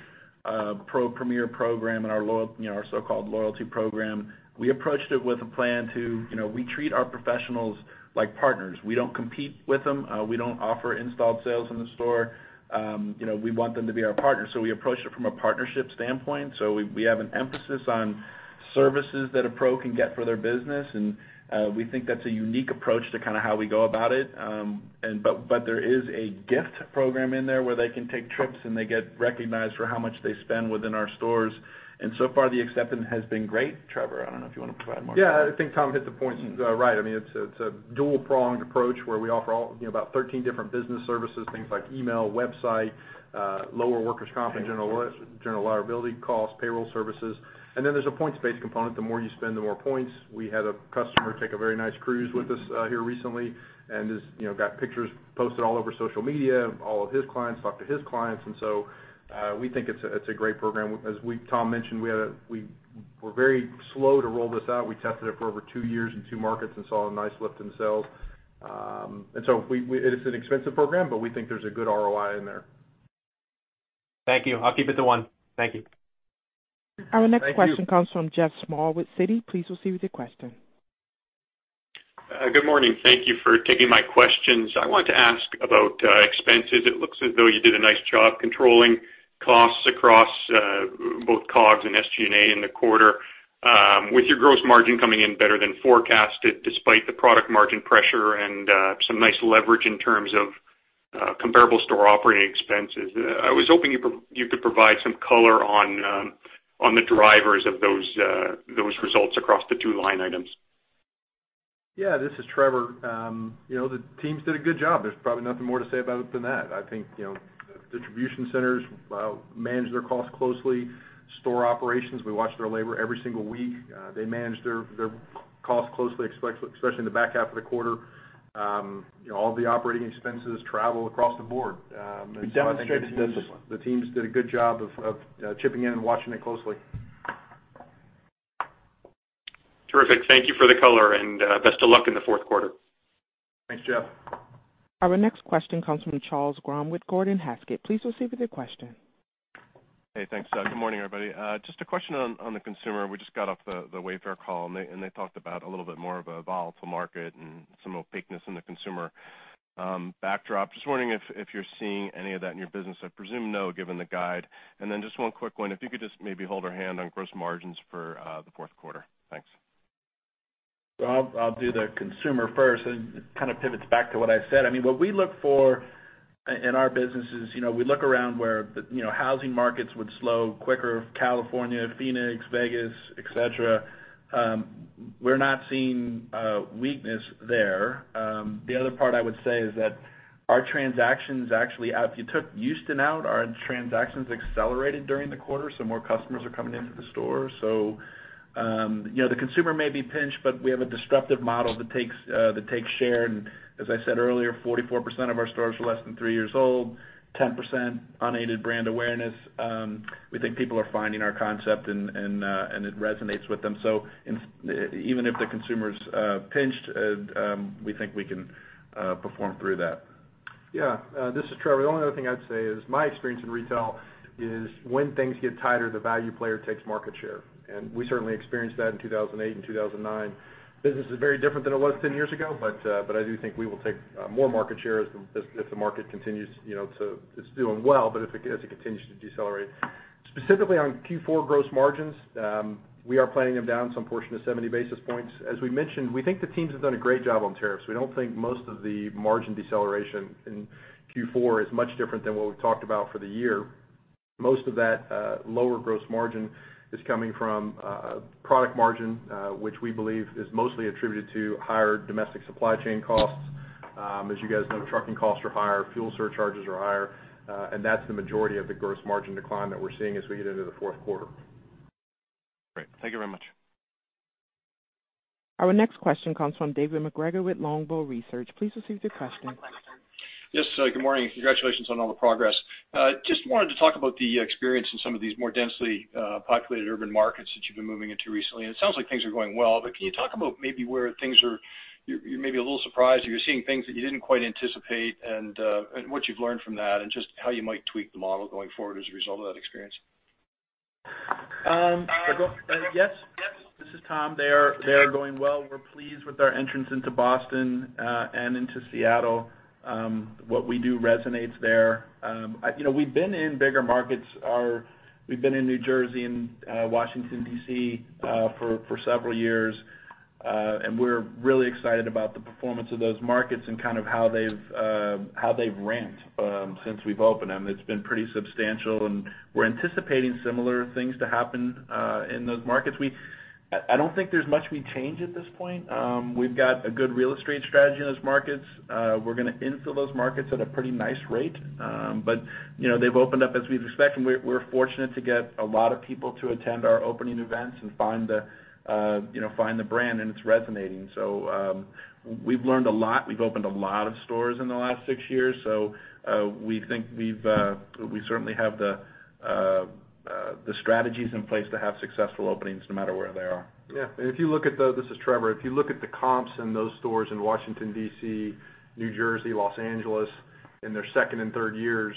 PRO Premier program and our so-called loyalty program, we approached it with a plan to. We treat our professionals like partners. We don't compete with them. We don't offer installed sales in the store. We want them to be our partner. We approached it from a partnership standpoint. We have an emphasis on services that a PRO can get for their business. We think that's a unique approach to how we go about it. There is a gift program in there where they can take trips, and they get recognized for how much they spend within our stores. So far, the acceptance has been great. Trevor, I don't know if you want to provide more color. Yeah, I think Tom hit the point right. It's a dual-pronged approach where we offer about 13 different business services, things like email, website, lower workers' comp and general liability costs, payroll services. Then there's a points-based component. The more you spend, the more points. We had a customer take a very nice cruise with us here recently and got pictures posted all over social media. All of his clients talked to his clients. We think it's a great program. As Tom mentioned, we were very slow to roll this out. We tested it for over two years in two markets and saw a nice lift in sales. It is an expensive program, but we think there's a good ROI in there. Thank you. I'll keep it to one. Thank you. Thank you. Our next question comes from Geoff Small with Citi. Please proceed with your question. Good morning. Thank you for taking my questions. I wanted to ask about expenses. It looks as though you did a nice job controlling costs across both COGS and SG&A in the quarter with your gross margin coming in better than forecasted, despite the product margin pressure and some nice leverage in terms of comparable store operating expenses. I was hoping you could provide some color on the drivers of those results across the two line items. Yeah. This is Trevor. The teams did a good job. There's probably nothing more to say about it than that. I think the distribution centers manage their costs closely. Store operations, we watch their labor every single week. They manage their costs closely, especially in the back half of the quarter. All of the operating expenses travel across the board. You demonstrated discipline. The teams did a good job of chipping in and watching it closely. Terrific. Thank you for the color, best of luck in the fourth quarter. Thanks, Geoff. Our next question comes from Charles Grom with Gordon Haskett. Please proceed with your question. Hey, thanks. Good morning, everybody. Just a question on the consumer. We just got off the Wayfair call, and they talked about a little bit more of a volatile market and some opaqueness in the consumer backdrop. Just wondering if you're seeing any of that in your business. I presume no, given the guide. Then just one quick one, if you could just maybe hold our hand on gross margins for the fourth quarter. Thanks. I'll do the consumer first, and it kind of pivots back to what I said. What we look for in our business is we look around where housing markets would slow quicker, California, Phoenix, Vegas, et cetera. We're not seeing weakness there. The other part I would say is that our transactions actually, if you took Houston out, our transactions accelerated during the quarter, more customers are coming into the store. The consumer may be pinched, but we have a disruptive model that takes share, and as I said earlier, 44% of our stores are less than three years old, 10% unaided brand awareness. We think people are finding our concept, and it resonates with them. Even if the consumer's pinched, we think we can perform through that. Yeah. This is Trevor. The only other thing I'd say is my experience in retail is when things get tighter, the value player takes market share, and we certainly experienced that in 2008 and 2009. Business is very different than it was 10 years ago, but I do think we will take more market share if the market continues. It's doing well, but as it continues to decelerate. Specifically on Q4 gross margins, we are planning them down some portion of 70 basis points. As we mentioned, we think the teams have done a great job on tariffs. We don't think most of the margin deceleration in Q4 is much different than what we've talked about for the year. Most of that lower gross margin is coming from product margin, which we believe is mostly attributed to higher domestic supply chain costs. As you guys know, trucking costs are higher, fuel surcharges are higher, and that's the majority of the gross margin decline that we're seeing as we get into the fourth quarter. Great. Thank you very much. Our next question comes from David MacGregor with Longbow Research. Please proceed with your question. One question. Yes, good morning. Congratulations on all the progress. Just wanted to talk about the experience in some of these more densely populated urban markets that you've been moving into recently. It sounds like things are going well, but can you talk about maybe you're maybe a little surprised, or you're seeing things that you didn't quite anticipate, and what you've learned from that, and just how you might tweak the model going forward as a result of that experience. Yes. This is Tom. They are going well. We're pleased with our entrance into Boston and into Seattle. What we do resonates there. We've been in bigger markets. We've been in New Jersey and Washington, D.C., for several years. We're really excited about the performance of those markets and how they've ramped since we've opened them. It's been pretty substantial, and we're anticipating similar things to happen in those markets. I don't think there's much we'd change at this point. We've got a good real estate strategy in those markets. We're going to infill those markets at a pretty nice rate. They've opened up as we've expected, and we're fortunate to get a lot of people to attend our opening events and find the brand, and it's resonating. We've learned a lot. We've opened a lot of stores in the last six years. We think we certainly have the strategies in place to have successful openings no matter where they are. Yeah. This is Trevor. If you look at the comps in those stores in Washington, D.C., New Jersey, Los Angeles, in their second and third years,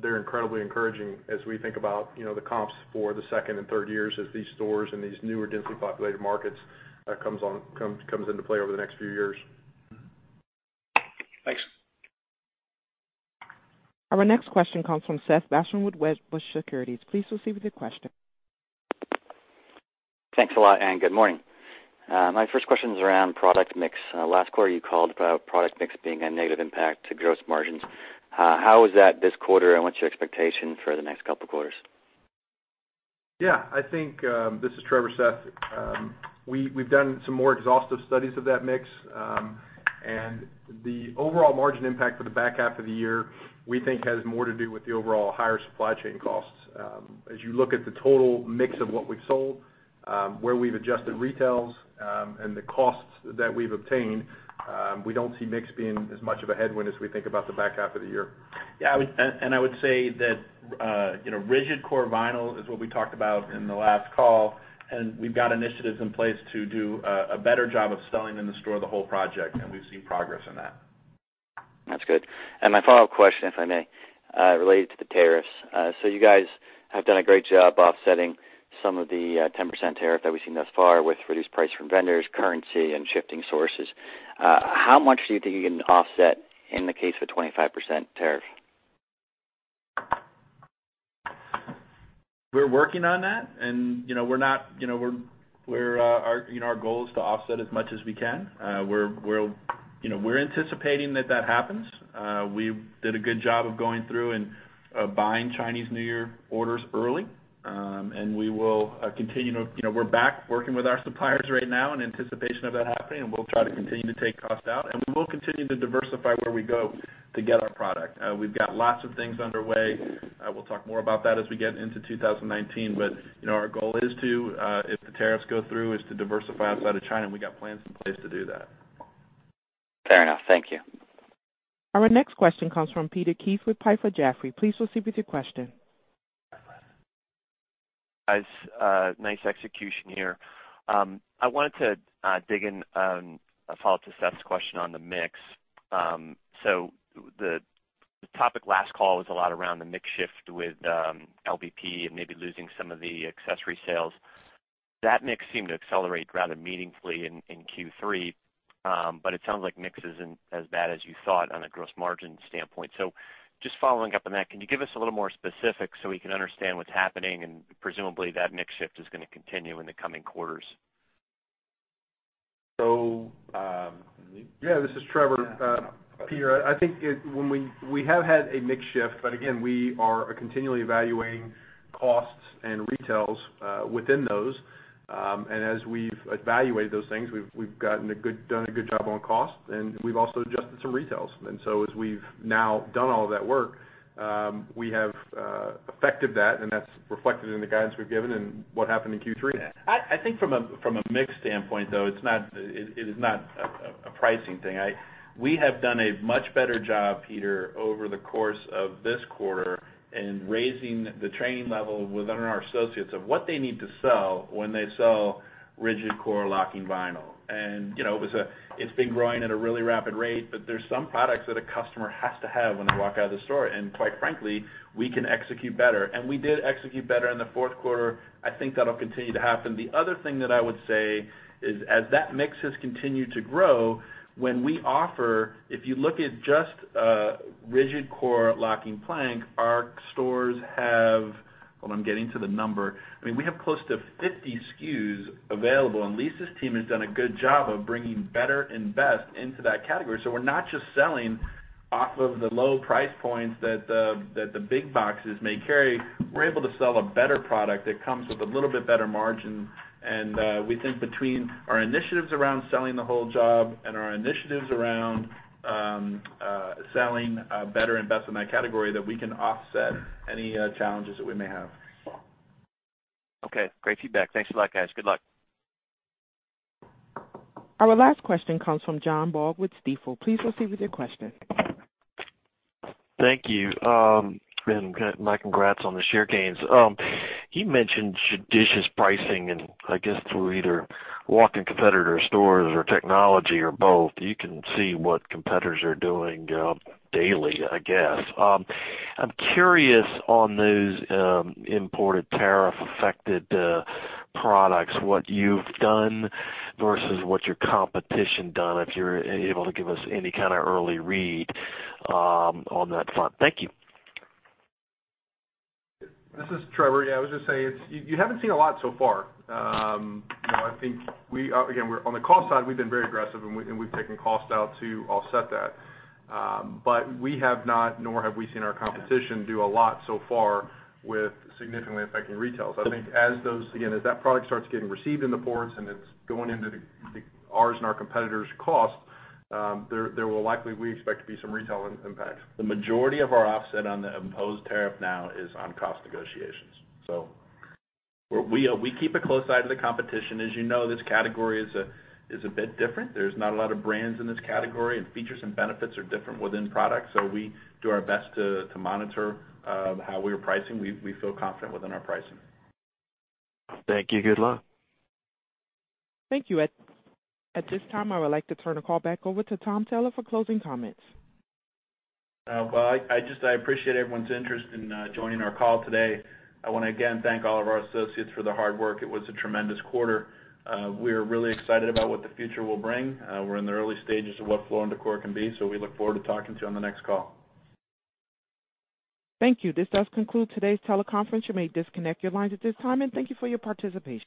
they're incredibly encouraging as we think about the comps for the second and third years as these stores in these newer densely populated markets comes into play over the next few years. Our next question comes from Seth Basham with Wedbush Securities. Please proceed with your question. Thanks a lot, and good morning. My first question is around product mix. Last quarter, you called about product mix being a negative impact to gross margins. How is that this quarter, and what's your expectation for the next couple of quarters? Yeah, I think, this is Trevor, Seth, we've done some more exhaustive studies of that mix, and the overall margin impact for the back half of the year, we think has more to do with the overall higher supply chain costs. As you look at the total mix of what we've sold, where we've adjusted retails, and the costs that we've obtained, we don't see mix being as much of a headwind as we think about the back half of the year. I would say that rigid core vinyl is what we talked about in the last call. We've got initiatives in place to do a better job of selling in the store the whole project. We've seen progress in that. That's good. My follow-up question, if I may, related to the tariffs. You guys have done a great job offsetting some of the 10% tariff that we've seen thus far with reduced price from vendors, currency, and shifting sources. How much do you think you can offset in the case of a 25% tariff? We're working on that. Our goal is to offset as much as we can. We're anticipating that that happens. We did a good job of going through and buying Chinese New Year orders early. We're back working with our suppliers right now in anticipation of that happening. We'll try to continue to take costs out. We will continue to diversify where we go to get our product. We've got lots of things underway. We'll talk more about that as we get into 2019. Our goal is to, if the tariffs go through, is to diversify outside of China. We got plans in place to do that. Fair enough. Thank you. Our next question comes from Peter Keith with Piper Jaffray. Please proceed with your question. Guys, nice execution here. I wanted to dig in, a follow-up to Seth's question on the mix. The topic last call was a lot around the mix shift with LVP and maybe losing some of the accessory sales. That mix seemed to accelerate rather meaningfully in Q3, but it sounds like mix isn't as bad as you thought on a gross margin standpoint. Just following up on that, can you give us a little more specifics so we can understand what's happening, and presumably, that mix shift is going to continue in the coming quarters? This is Trevor. Peter, I think we have had a mix shift, but again, we are continually evaluating costs and retails within those. As we've evaluated those things, we've done a good job on cost, and we've also adjusted some retails. As we've now done all of that work, we have affected that, and that's reflected in the guidance we've given and what happened in Q3. I think from a mix standpoint, though, it is not a pricing thing. We have done a much better job, Peter, over the course of this quarter in raising the training level within our associates of what they need to sell when they sell rigid core locking vinyl. It's been growing at a really rapid rate, but there's some products that a customer has to have when they walk out of the store, and quite frankly, we can execute better. We did execute better in the fourth quarter. I think that'll continue to happen. The other thing that I would say is as that mix has continued to grow, when we offer, if you look at just rigid core locking plank, our stores have Hold on, I'm getting to the number. We have close to 50 SKUs available, Lisa's team has done a good job of bringing better and best into that category. We're not just selling off of the low price points that the big boxes may carry. We're able to sell a better product that comes with a little bit better margin, we think between our initiatives around selling the whole job and our initiatives around selling better and best in that category, that we can offset any challenges that we may have. Okay. Great feedback. Thanks a lot, guys. Good luck. Our last question comes from John Baugh with Stifel. Please proceed with your question. Thank you. My congrats on the share gains. You mentioned judicious pricing, I guess through either walking competitor stores or technology or both, you can see what competitors are doing daily, I guess. I'm curious on those imported tariff-affected products, what you've done versus what your competition done, if you're able to give us any kind of early read on that front. Thank you. This is Trevor. Yeah, I was just saying, you haven't seen a lot so far. On the cost side, we've been very aggressive, and we've taken cost out to offset that. We have not, nor have we seen our competition do a lot so far with significantly affecting retails. I think as that product starts getting received in the ports and it's going into ours and our competitors' costs, there will likely, we expect, to be some retail impact. The majority of our offset on the imposed tariff now is on cost negotiations. We keep a close eye to the competition. As you know, this category is a bit different. There's not a lot of brands in this category, and features and benefits are different within products. We do our best to monitor how we are pricing. We feel confident within our pricing. Thank you. Good luck. Thank you. At this time, I would like to turn the call back over to Tom Taylor for closing comments. Well, I appreciate everyone's interest in joining our call today. I want to again thank all of our associates for their hard work. It was a tremendous quarter. We are really excited about what the future will bring. We're in the early stages of what Floor & Decor can be, so we look forward to talking to you on the next call. Thank you. This does conclude today's teleconference. You may disconnect your lines at this time, and thank you for your participation.